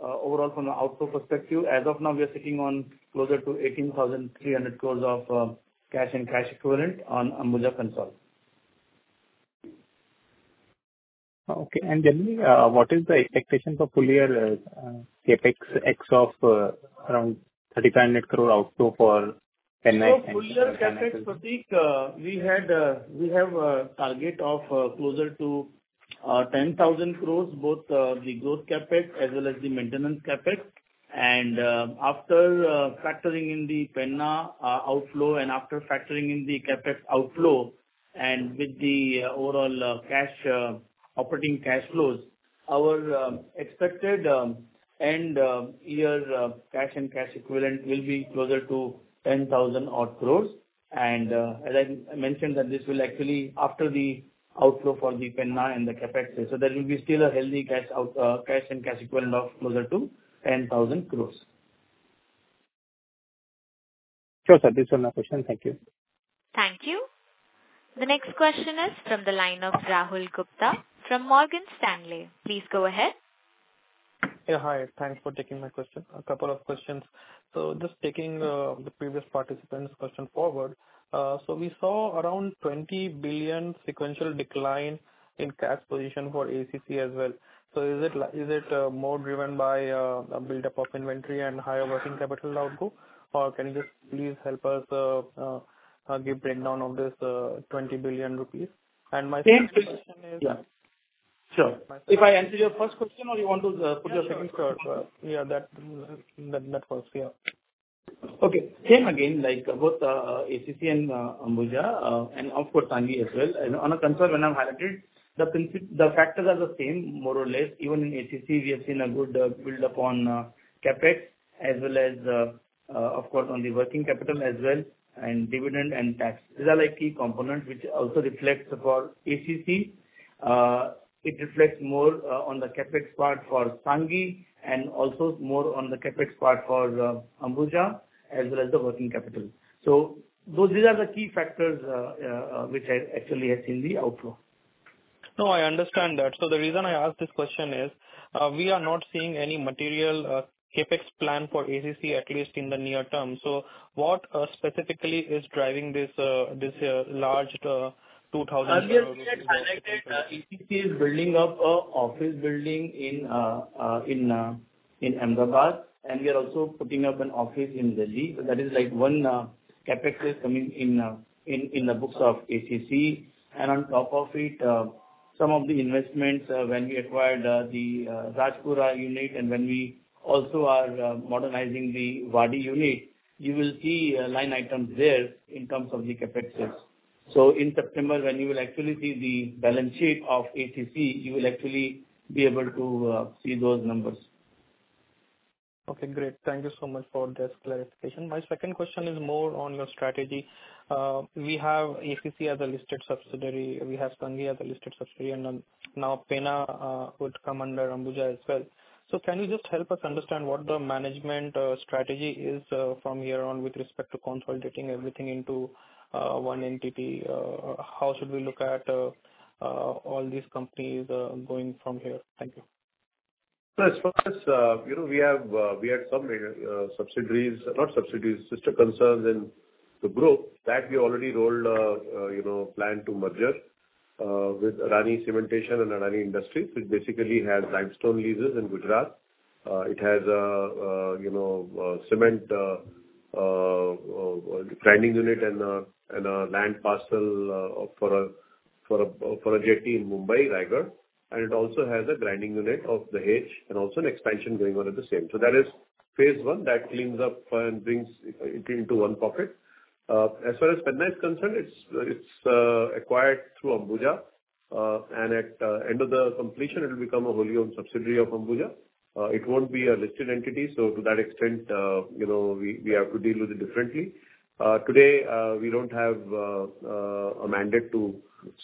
overall from an outflow perspective. As of now, we are sitting on closer to 18,300 crores of cash and cash equivalent on Ambuja Consolidated. Okay. And tell me, what is the expectation for full-year CAPEX ex of around 3,500 crore outflow for Penna? So full-year CAPEX, Prateek, we have a target of closer to 10,000 crores, both the growth CAPEX as well as the maintenance CAPEX. And after factoring in the Penna outflow and after factoring in the CAPEX outflow and with the overall operating cash flows, our expected end-year cash and cash equivalent will be closer to 10,000-odd crores. And as I mentioned, this will actually after the outflow for the Penna and the CapEx. So there will be still a healthy cash and cash equivalents of closer to 10,000 crore. Sure, sir. This is my question. Thank you. Thank you. The next question is from the line of Rahul Gupta from Morgan Stanley. Please go ahead. Yeah. Hi. Thanks for taking my question. A couple of questions. So just taking the previous participant's question forward, so we saw around 20 billion sequential decline in cash position for ACC as well. So is it more driven by a buildup of inventory and higher working capital outflow, or can you just please help us give breakdown of this 20 billion rupees? And my first question is. Thank you. Yeah. Sure. If I answer your first question or you want to put your second? Yeah. That works. Yeah. Okay. Same again, both ACC and Ambuja and, of course, Sanghi as well. And on a concern when I've highlighted, the factors are the same, more or less. Even in ACC, we have seen a good buildup on CAPEX as well as, of course, on the working capital as well and dividend and tax. These are key components which also reflects for ACC. It reflects more on the CAPEX part for Sanghi and also more on the CAPEX part for Ambuja as well as the working capital. So these are the key factors which I actually have seen the outflow. No, I understand that. So the reason I asked this question is we are not seeing any material CAPEX plan for ACC at least in the near term. So what specifically is driving this large 2,000-odd crores? As we had highlighted, ACC is building up an office building in Ahmedabad, and we are also putting up an office in Delhi. So that is like one CapEx is coming in the books of ACC. And on top of it, some of the investments when we acquired the Rajpur unit and when we also are modernizing the Wadi unit, you will see line items there in terms of the CapExes. So in September, when you will actually see the balance sheet of ACC, you will actually be able to see those numbers. Okay. Great. Thank you so much for this clarification. My second question is more on your strategy. We have ACC as a listed subsidiary. We have Sanghi as a listed subsidiary. And now Penna would come under Ambuja as well. So can you just help us understand what the management strategy is from here on with respect to consolidating everything into one entity? How should we look at all these companies going from here? Thank you. So as far as we have some subsidiaries, not subsidiaries, just concerns in the group that we already rolled a plan to merger with Adani Cementation and Adani Industries, which basically has limestone leases in Gujarat. It has a cement grinding unit and a land parcel for a jetty in Mumbai, Raigad. And it also has a grinding unit of the H and also an expansion going on at the same. So that is phase one that cleans up and brings it into one pocket. As far as Penna is concerned, it's acquired through Ambuja. And at the end of the completion, it will become a wholly owned subsidiary of Ambuja. It won't be a listed entity. So to that extent, we have to deal with it differently. Today, we don't have a mandate to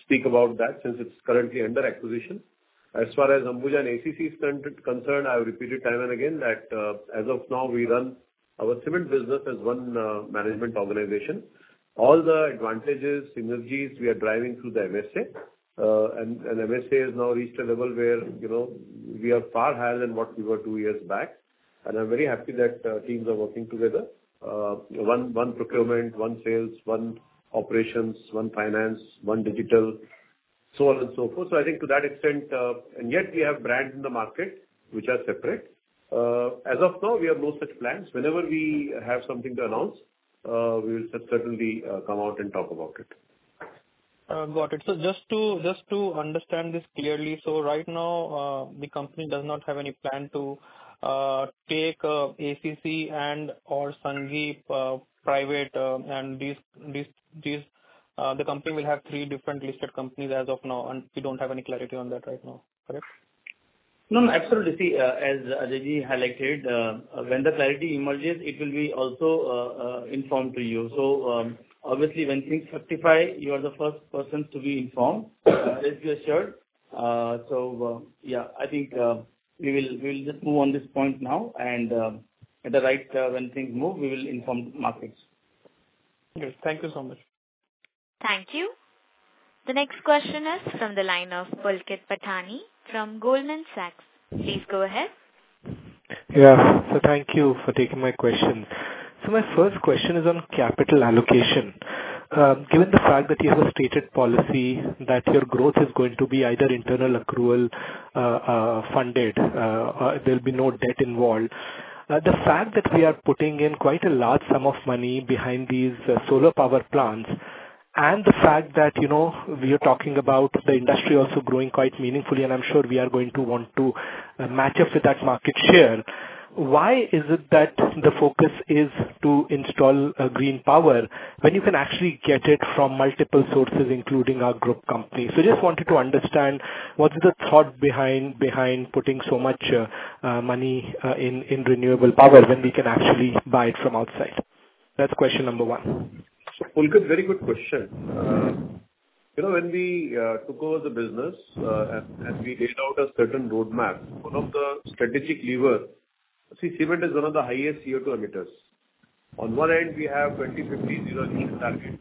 speak about that since it's currently under acquisition. As far as Ambuja and ACC is concerned, I've repeated time and again that as of now, we run our cement business as one management organization. All the advantages, synergies we are driving through the MSA. And MSA has now reached a level where we are far higher than what we were two years back. And I'm very happy that teams are working together. One procurement, one sales, one operations, one finance, one digital, so on and so forth. So I think to that extent, and yet we have brands in the market which are separate. As of now, we have no such plans. Whenever we have something to announce, we will certainly come out and talk about it. Got it. So just to understand this clearly, right now, the company does not have any plan to take ACC and/or Sanghi, and the company will have three different listed companies as of now. We don't have any clarity on that right now. Correct? No, no. Absolutely. See, as Ajay highlighted, when the clarity emerges, it will be also informed to you. So obviously, when things rectify, you are the first person to be informed, as you assured. So yeah, I think we will just move on this point now. And at the right, when things move, we will inform the markets. Yes. Thank you so much. Thank you. The next question is from the line of Pulkit Patni from Goldman Sachs. Please go ahead. Yeah. Thank you for taking my question. My first question is on capital allocation. Given the fact that you have a stated policy that your growth is going to be either internal accrual funded, there'll be no debt involved, the fact that we are putting in quite a large sum of money behind these solar power plants, and the fact that we are talking about the industry also growing quite meaningfully, and I'm sure we are going to want to match up with that market share, why is it that the focus is to install green power when you can actually get it from multiple sources, including our group company? I just wanted to understand what's the thought behind putting so much money in renewable power when we can actually buy it from outside. That's question number 1. So Pulkit, very good question. When we took over the business and we laid out a certain roadmap, one of the strategic levers, see, cement is one of the highest CO2 emitters. On one end, we have 2050 zero-emission target.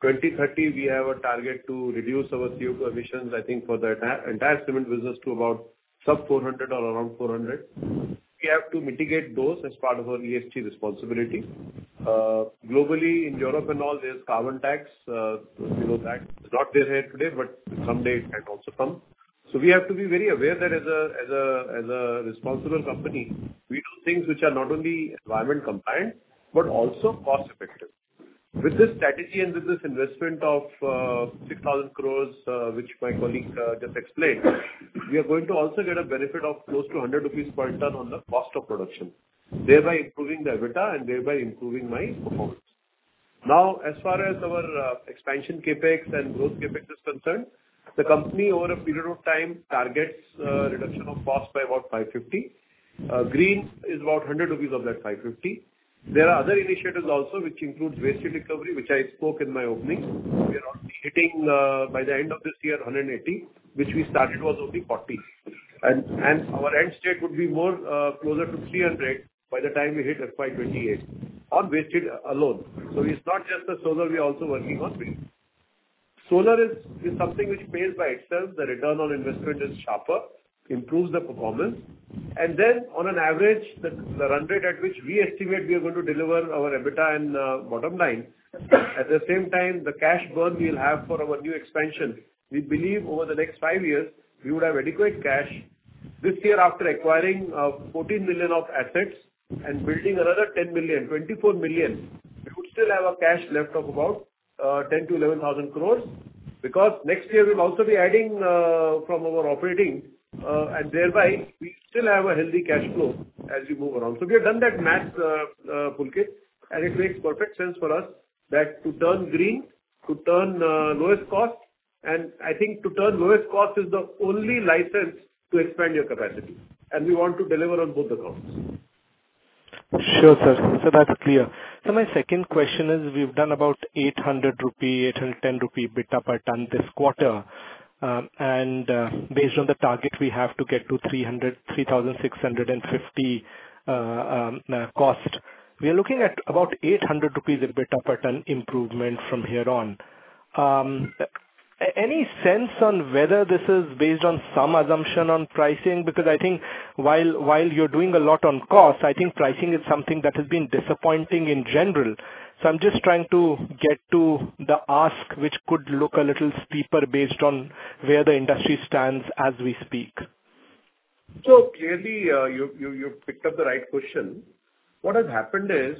2030, we have a target to reduce our CO2 emissions, I think, for the entire cement business to about sub-400 or around 400. We have to mitigate those as part of our ESG responsibility. Globally, in Europe and all, there's carbon tax. We know that. It's not there yet today, but someday it might also come. So we have to be very aware that as a responsible company, we do things which are not only environment-compliant but also cost-effective. With this strategy and with this investment of 6,000 crore, which my colleague just explained, we are going to also get a benefit of close to ₹100 per ton on the cost of production, thereby improving the EBITDA and thereby improving my performance. Now, as far as our expansion CAPEX and growth CAPEX is concerned, the company over a period of time targets reduction of cost by about 550. Green is about ₹100 of that 550. There are other initiatives also, which include waste recovery, which I spoke in my opening. We are already hitting by the end of this year 180, which we started was only 40. And our end state would be more closer to 300 by the time we hit FY28 on waste alone. So it's not just the solar we are also working on. Solar is something which pays by itself. The return on investment is sharper, improves the performance. Then, on an average, the run rate at which we estimate we are going to deliver our EBITDA and bottom line. At the same time, the cash burn we will have for our new expansion. We believe over the next 5 years, we would have adequate cash. This year, after acquiring 14 million of assets and building another 10 million, 24 million, we would still have a cash left of about 10,000-11,000 crore because next year, we'll also be adding from our operating. And thereby, we still have a healthy cash flow as we move around. So we have done that math, Pulkit. And it makes perfect sense for us that to turn green, to turn lowest cost, and I think to turn lowest cost is the only license to expand your capacity. We want to deliver on both accounts. Sure, sir. That's clear. My second question is we've done about ₹810 EBITDA per ton this quarter. And based on the target, we have to get to ₹3,650 cost. We are looking at about ₹800 EBITDA per ton improvement from here on. Any sense on whether this is based on some assumption on pricing? Because I think while you're doing a lot on cost, I think pricing is something that has been disappointing in general. So I'm just trying to get to the ask, which could look a little steeper based on where the industry stands as we speak. Clearly, you picked up the right question. What has happened is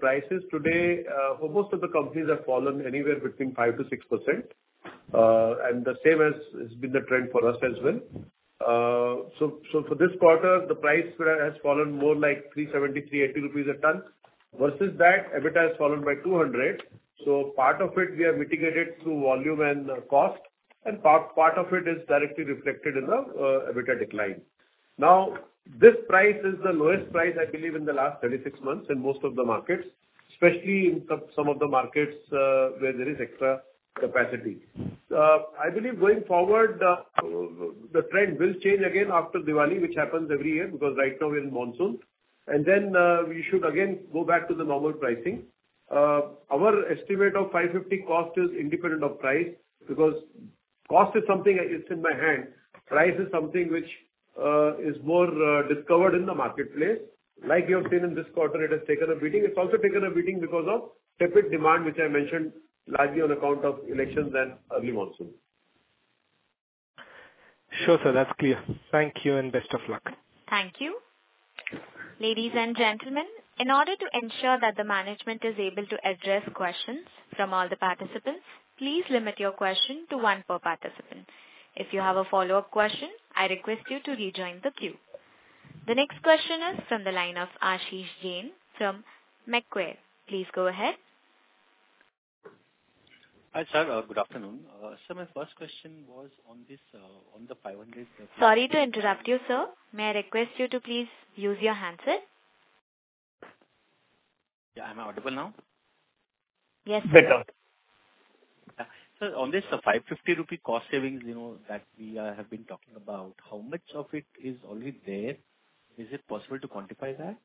prices today, most of the companies have fallen anywhere between 5%-6%. And the same has been the trend for us as well. So for this quarter, the price has fallen more like ₹373, ₹80 a ton. Versus that, EBITDA has fallen by 200. So part of it, we have mitigated through volume and cost. And part of it is directly reflected in the EBITDA decline. Now, this price is the lowest price, I believe, in the last 36 months in most of the markets, especially in some of the markets where there is extra capacity. I believe going forward, the trend will change again after Diwali, which happens every year because right now, we're in monsoon. And then we should again go back to the normal pricing. Our estimate of ₹550 cost is independent of price because cost is something that is in my hand. Price is something which is more discovered in the marketplace. Like you have seen in this quarter, it has taken a beating. It's also taken a beating because of tepid demand, which I mentioned largely on account of elections and early monsoon. Sure, sir. That's clear. Thank you and best of luck. Thank you. Ladies and gentlemen, in order to ensure that the management is able to address questions from all the participants, please limit your question to one per participant. If you have a follow-up question, I request you to rejoin the queue. The next question is from the line of Ashish Jain from Macquarie. Please go ahead. Hi, sir. Good afternoon. Sir, my first question was on the ₹500. Sorry to interrupt you, sir. May I request you to please use your handset? Yeah. Am I audible now? Yes, sir. Better. Yeah. So on this ₹550 cost savings that we have been talking about, how much of it is already there? Is it possible to quantify that?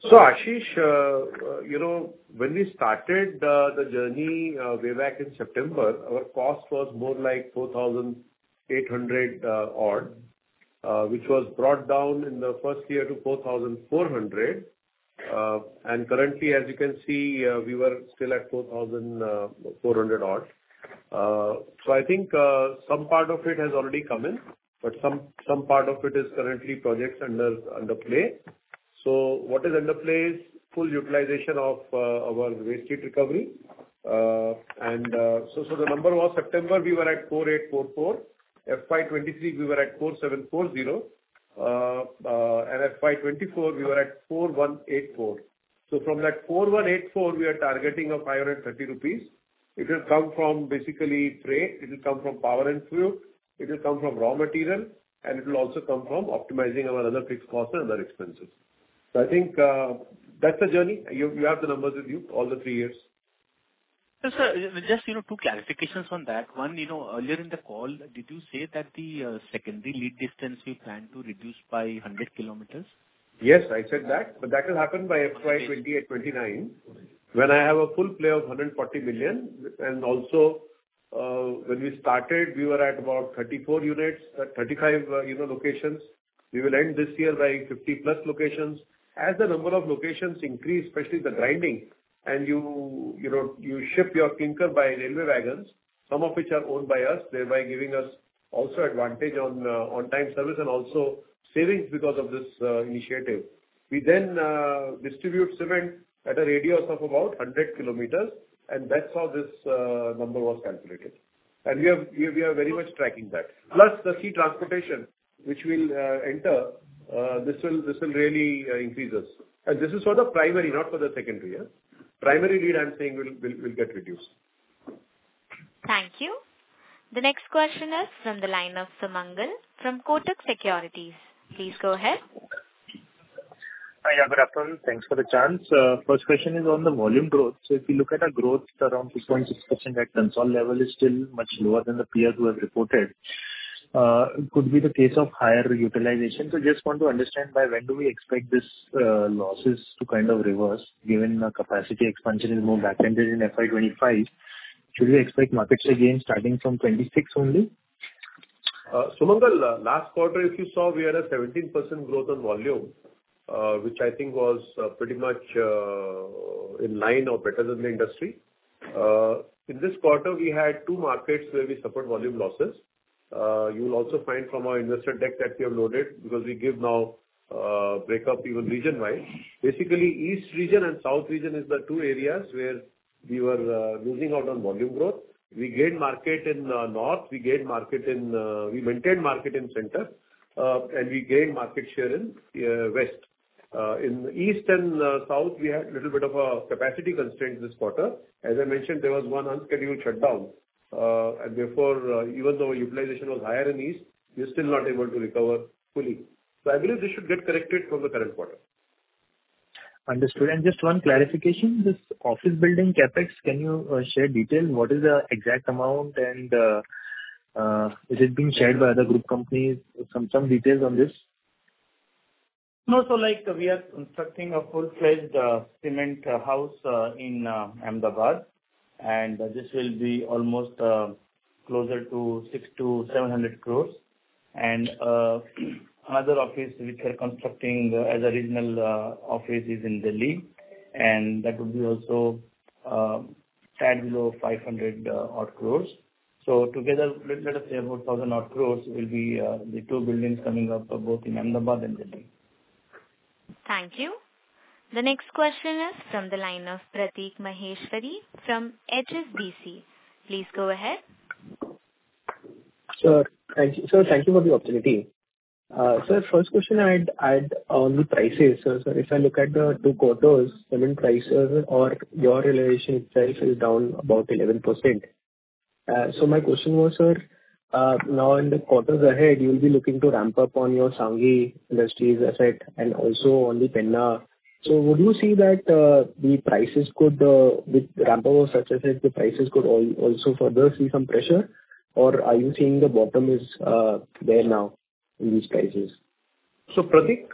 So Ashish, when we started the journey way back in September, our cost was more like ₹4,800 odd, which was brought down in the first year to ₹4,400. And currently, as you can see, we were still at ₹4,400 odd. So I think some part of it has already come in, but some part of it is currently projects underway. So what is underway is full utilization of our waste recovery. And so the number was September, we were at ₹4,844. FY23, we were at ₹4,740. And FY24, we were at ₹4,184. So from that ₹4,184, we are targeting of ₹530. It will come from basically freight. It will come from power and fuel. It will come from raw material. And it will also come from optimizing our other fixed costs and other expenses. So I think that's the journey. You have the numbers with you, all the 3 years. Sir, just 2 clarifications on that. One, earlier in the call, did you say that the secondary lead distance we plan to reduce by 100 km? Yes, I said that. But that will happen by FY2028-2029 when I have a full play of ₹ 140 million. And also, when we started, we were at about 34 units, 35 locations. We will end this year by 50+ locations. As the number of locations increase, especially the grinding, and you ship your clinker by railway wagons, some of which are owned by us, thereby giving us also advantage on on-time service and also savings because of this initiative. We then distribute cement at a radius of about 100 km. And that's how this number was calculated. And we are very much tracking that. Plus the key transportation, which will enter, this will really increase us. And this is for the primary, not for the secondary. Primary lead, I'm saying, will get reduced. Thank you. The next question is from the line of Sumangal from Kotak Securities. Please go ahead. Hi, Abhishek. Thanks for the chance. First question is on the volume growth. So if you look at our growth, around 2.6% at consolidated level is still much lower than the peers who have reported. Could be the case of higher utilization. So just want to understand by when do we expect these losses to kind of reverse given capacity expansion is more back-ended in FY25? Should we expect markets again starting from 26 only? Sumangal, last quarter, if you saw, we had a 17% growth in volume, which I think was pretty much in line or better than the industry. In this quarter, we had two markets where we suffered volume losses. You will also find from our investor deck that we have loaded because we give now break-up even region-wise. Basically, East Region and South Region is the two areas where we were losing out on volume growth. We gained market in North. We maintained market in Center. And we gained market share in West. In the East and South, we had a little bit of a capacity constraint this quarter. As I mentioned, there was one unscheduled shutdown. And therefore, even though utilization was higher in East, we're still not able to recover fully. So I believe this should get corrected from the current quarter. Understood. Just one clarification, this office building CapEx, can you share detail? What is the exact amount? And is it being shared by other group companies? Some details on this? No. We are constructing a full-fledged cement house in Ahmedabad. And this will be almost closer to 600-700 crores. And another office which we're constructing as a regional office is in Delhi. And that would be also tied below 500 crores. So together, let us say about 1,000 crores will be the two buildings coming up both in Ahmedabad and Delhi. Thank you. The next question is from the line of Prateek Maheshwari from HSBC. Please go ahead. Sir, thank you for the opportunity. Sir, first question I had on the prices. Sir, if I look at the two quarters, cement prices or your realization itself is down about 11%. So my question was, sir, now in the quarters ahead, you'll be looking to ramp up on your Sanghi Industries asset and also on the Penna. So would you see that the prices could ramp up or such as if the prices could also further see some pressure? Or are you seeing the bottom is there now in these prices? So Prateek,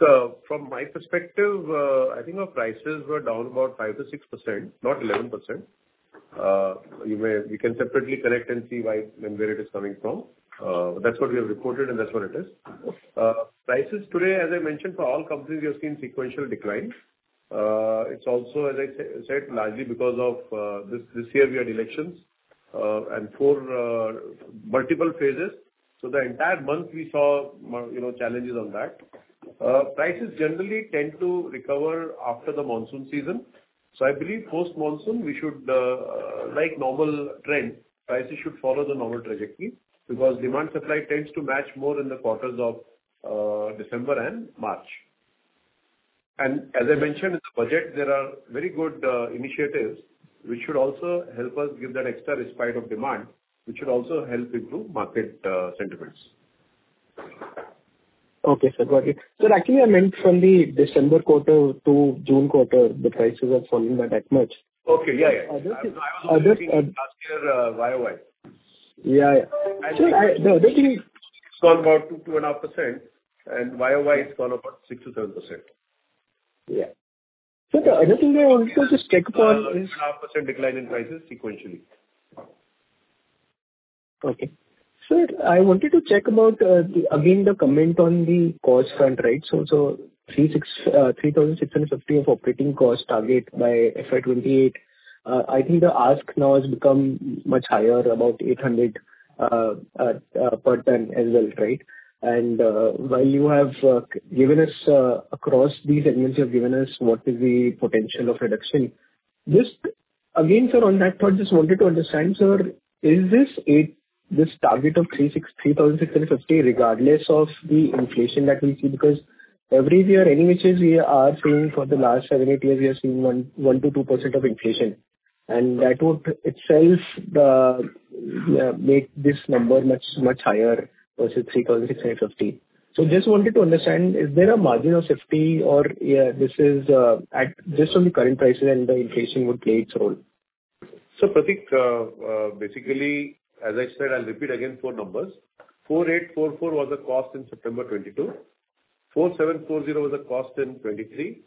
from my perspective, I think our prices were down about 5%-6%, not 11%. We can separately collect and see where it is coming from. That's what we have reported, and that's what it is. Prices today, as I mentioned, for all companies, we have seen sequential decline. It's also, as I said, largely because of this year, we had elections and four multiple phases. So the entire month, we saw challenges on that. Prices generally tend to recover after the monsoon season. So I believe post-monsoon, we should, like normal trend, prices should follow the normal trajectory because demand supply tends to match more in the quarters of December and March. And as I mentioned, in the budget, there are very good initiatives which should also help us give that extra respite of demand, which should also help improve market sentiments. Okay. So got it. Sir, actually, I meant from the December quarter to June quarter, the prices have fallen not that much. Okay. Yeah. Yeah. I was looking at last year's YOY. Yeah. Sir, the other thing- is gone about 2%-2.5%. And YOY is gone about 6%-7%. Yeah. Sir, the other thing I wanted to just check upon is - 2%-2.5% decline in prices sequentially. Okay. Sir, I wanted to check about, again, the comment on the cost front, right? So ₹3,650 operating cost target by FY28. I think the ask now has become much higher, about ₹800 per ton as well, right? While you have given us across these segments, you have given us what is the potential of reduction. Just again, sir, on that thought, just wanted to understand, sir, is this target of 3,650 regardless of the inflation that we see? Because every year, any which is we are seeing for the last seven, eight years, we are seeing 1%-2% inflation. And that would itself make this number much higher versus 3,650. So just wanted to understand, is there a margin of safety or this is just on the current prices and the inflation would play its role? So Prateek, basically, as I said, I'll repeat again 4 numbers. 4,844 was the cost in September 2022. 4,740 was the cost in 2023.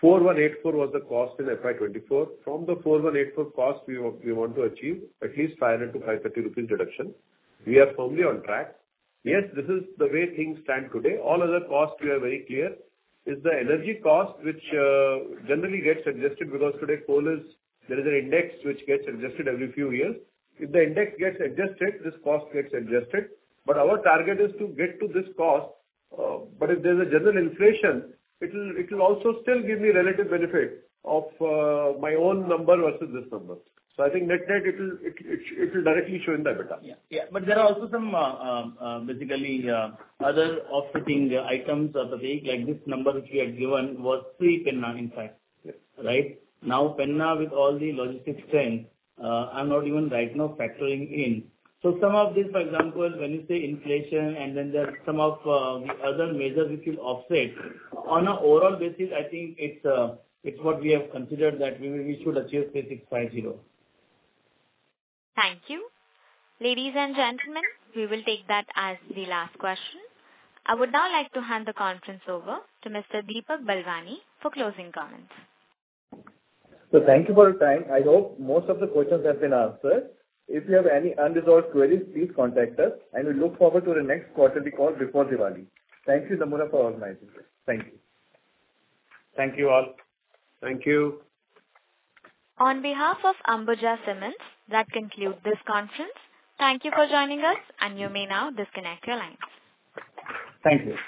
4,184 was the cost in FY24. From the 4,184 cost, we want to achieve at least ₹500-₹530 reduction. We are firmly on track. Yes, this is the way things stand today. All other costs, we are very clear. It's the energy cost, which generally gets adjusted because today, coal, there is an index which gets adjusted every few years. If the index gets adjusted, this cost gets adjusted. But our target is to get to this cost. But if there's a general inflation, it will also still give me relative benefit of my own number versus this number. So I think net net, it will directly show in the EBITDA. Yeah. Yeah. But there are also some basically other offsetting items, Prateek, like this number which you had given was Pre-Penna, in fact, right? Now, Penna with all the logistics thing, I'm not even right now factoring in. So some of these, for example, when you say inflation and then there's some of the other measures which will offset, on an overall basis, I think it's what we have considered that we should achieve 3,650. Thank you. Ladies and gentlemen, we will take that as the last question. I would now like to hand the conference over to Mr. Deepak Balwani for closing comments. So thank you for your time. I hope most of the questions have been answered. If you have any unresolved queries, please contact us. And we look forward to the next quarterly call before Diwali. Thank you, Nomura, for organizing this. Thank you. Thank you all. Thank you. On behalf of Ambuja Cements, that concludes this conference. Thank you for joining us, and you may now disconnect your lines. Thank you.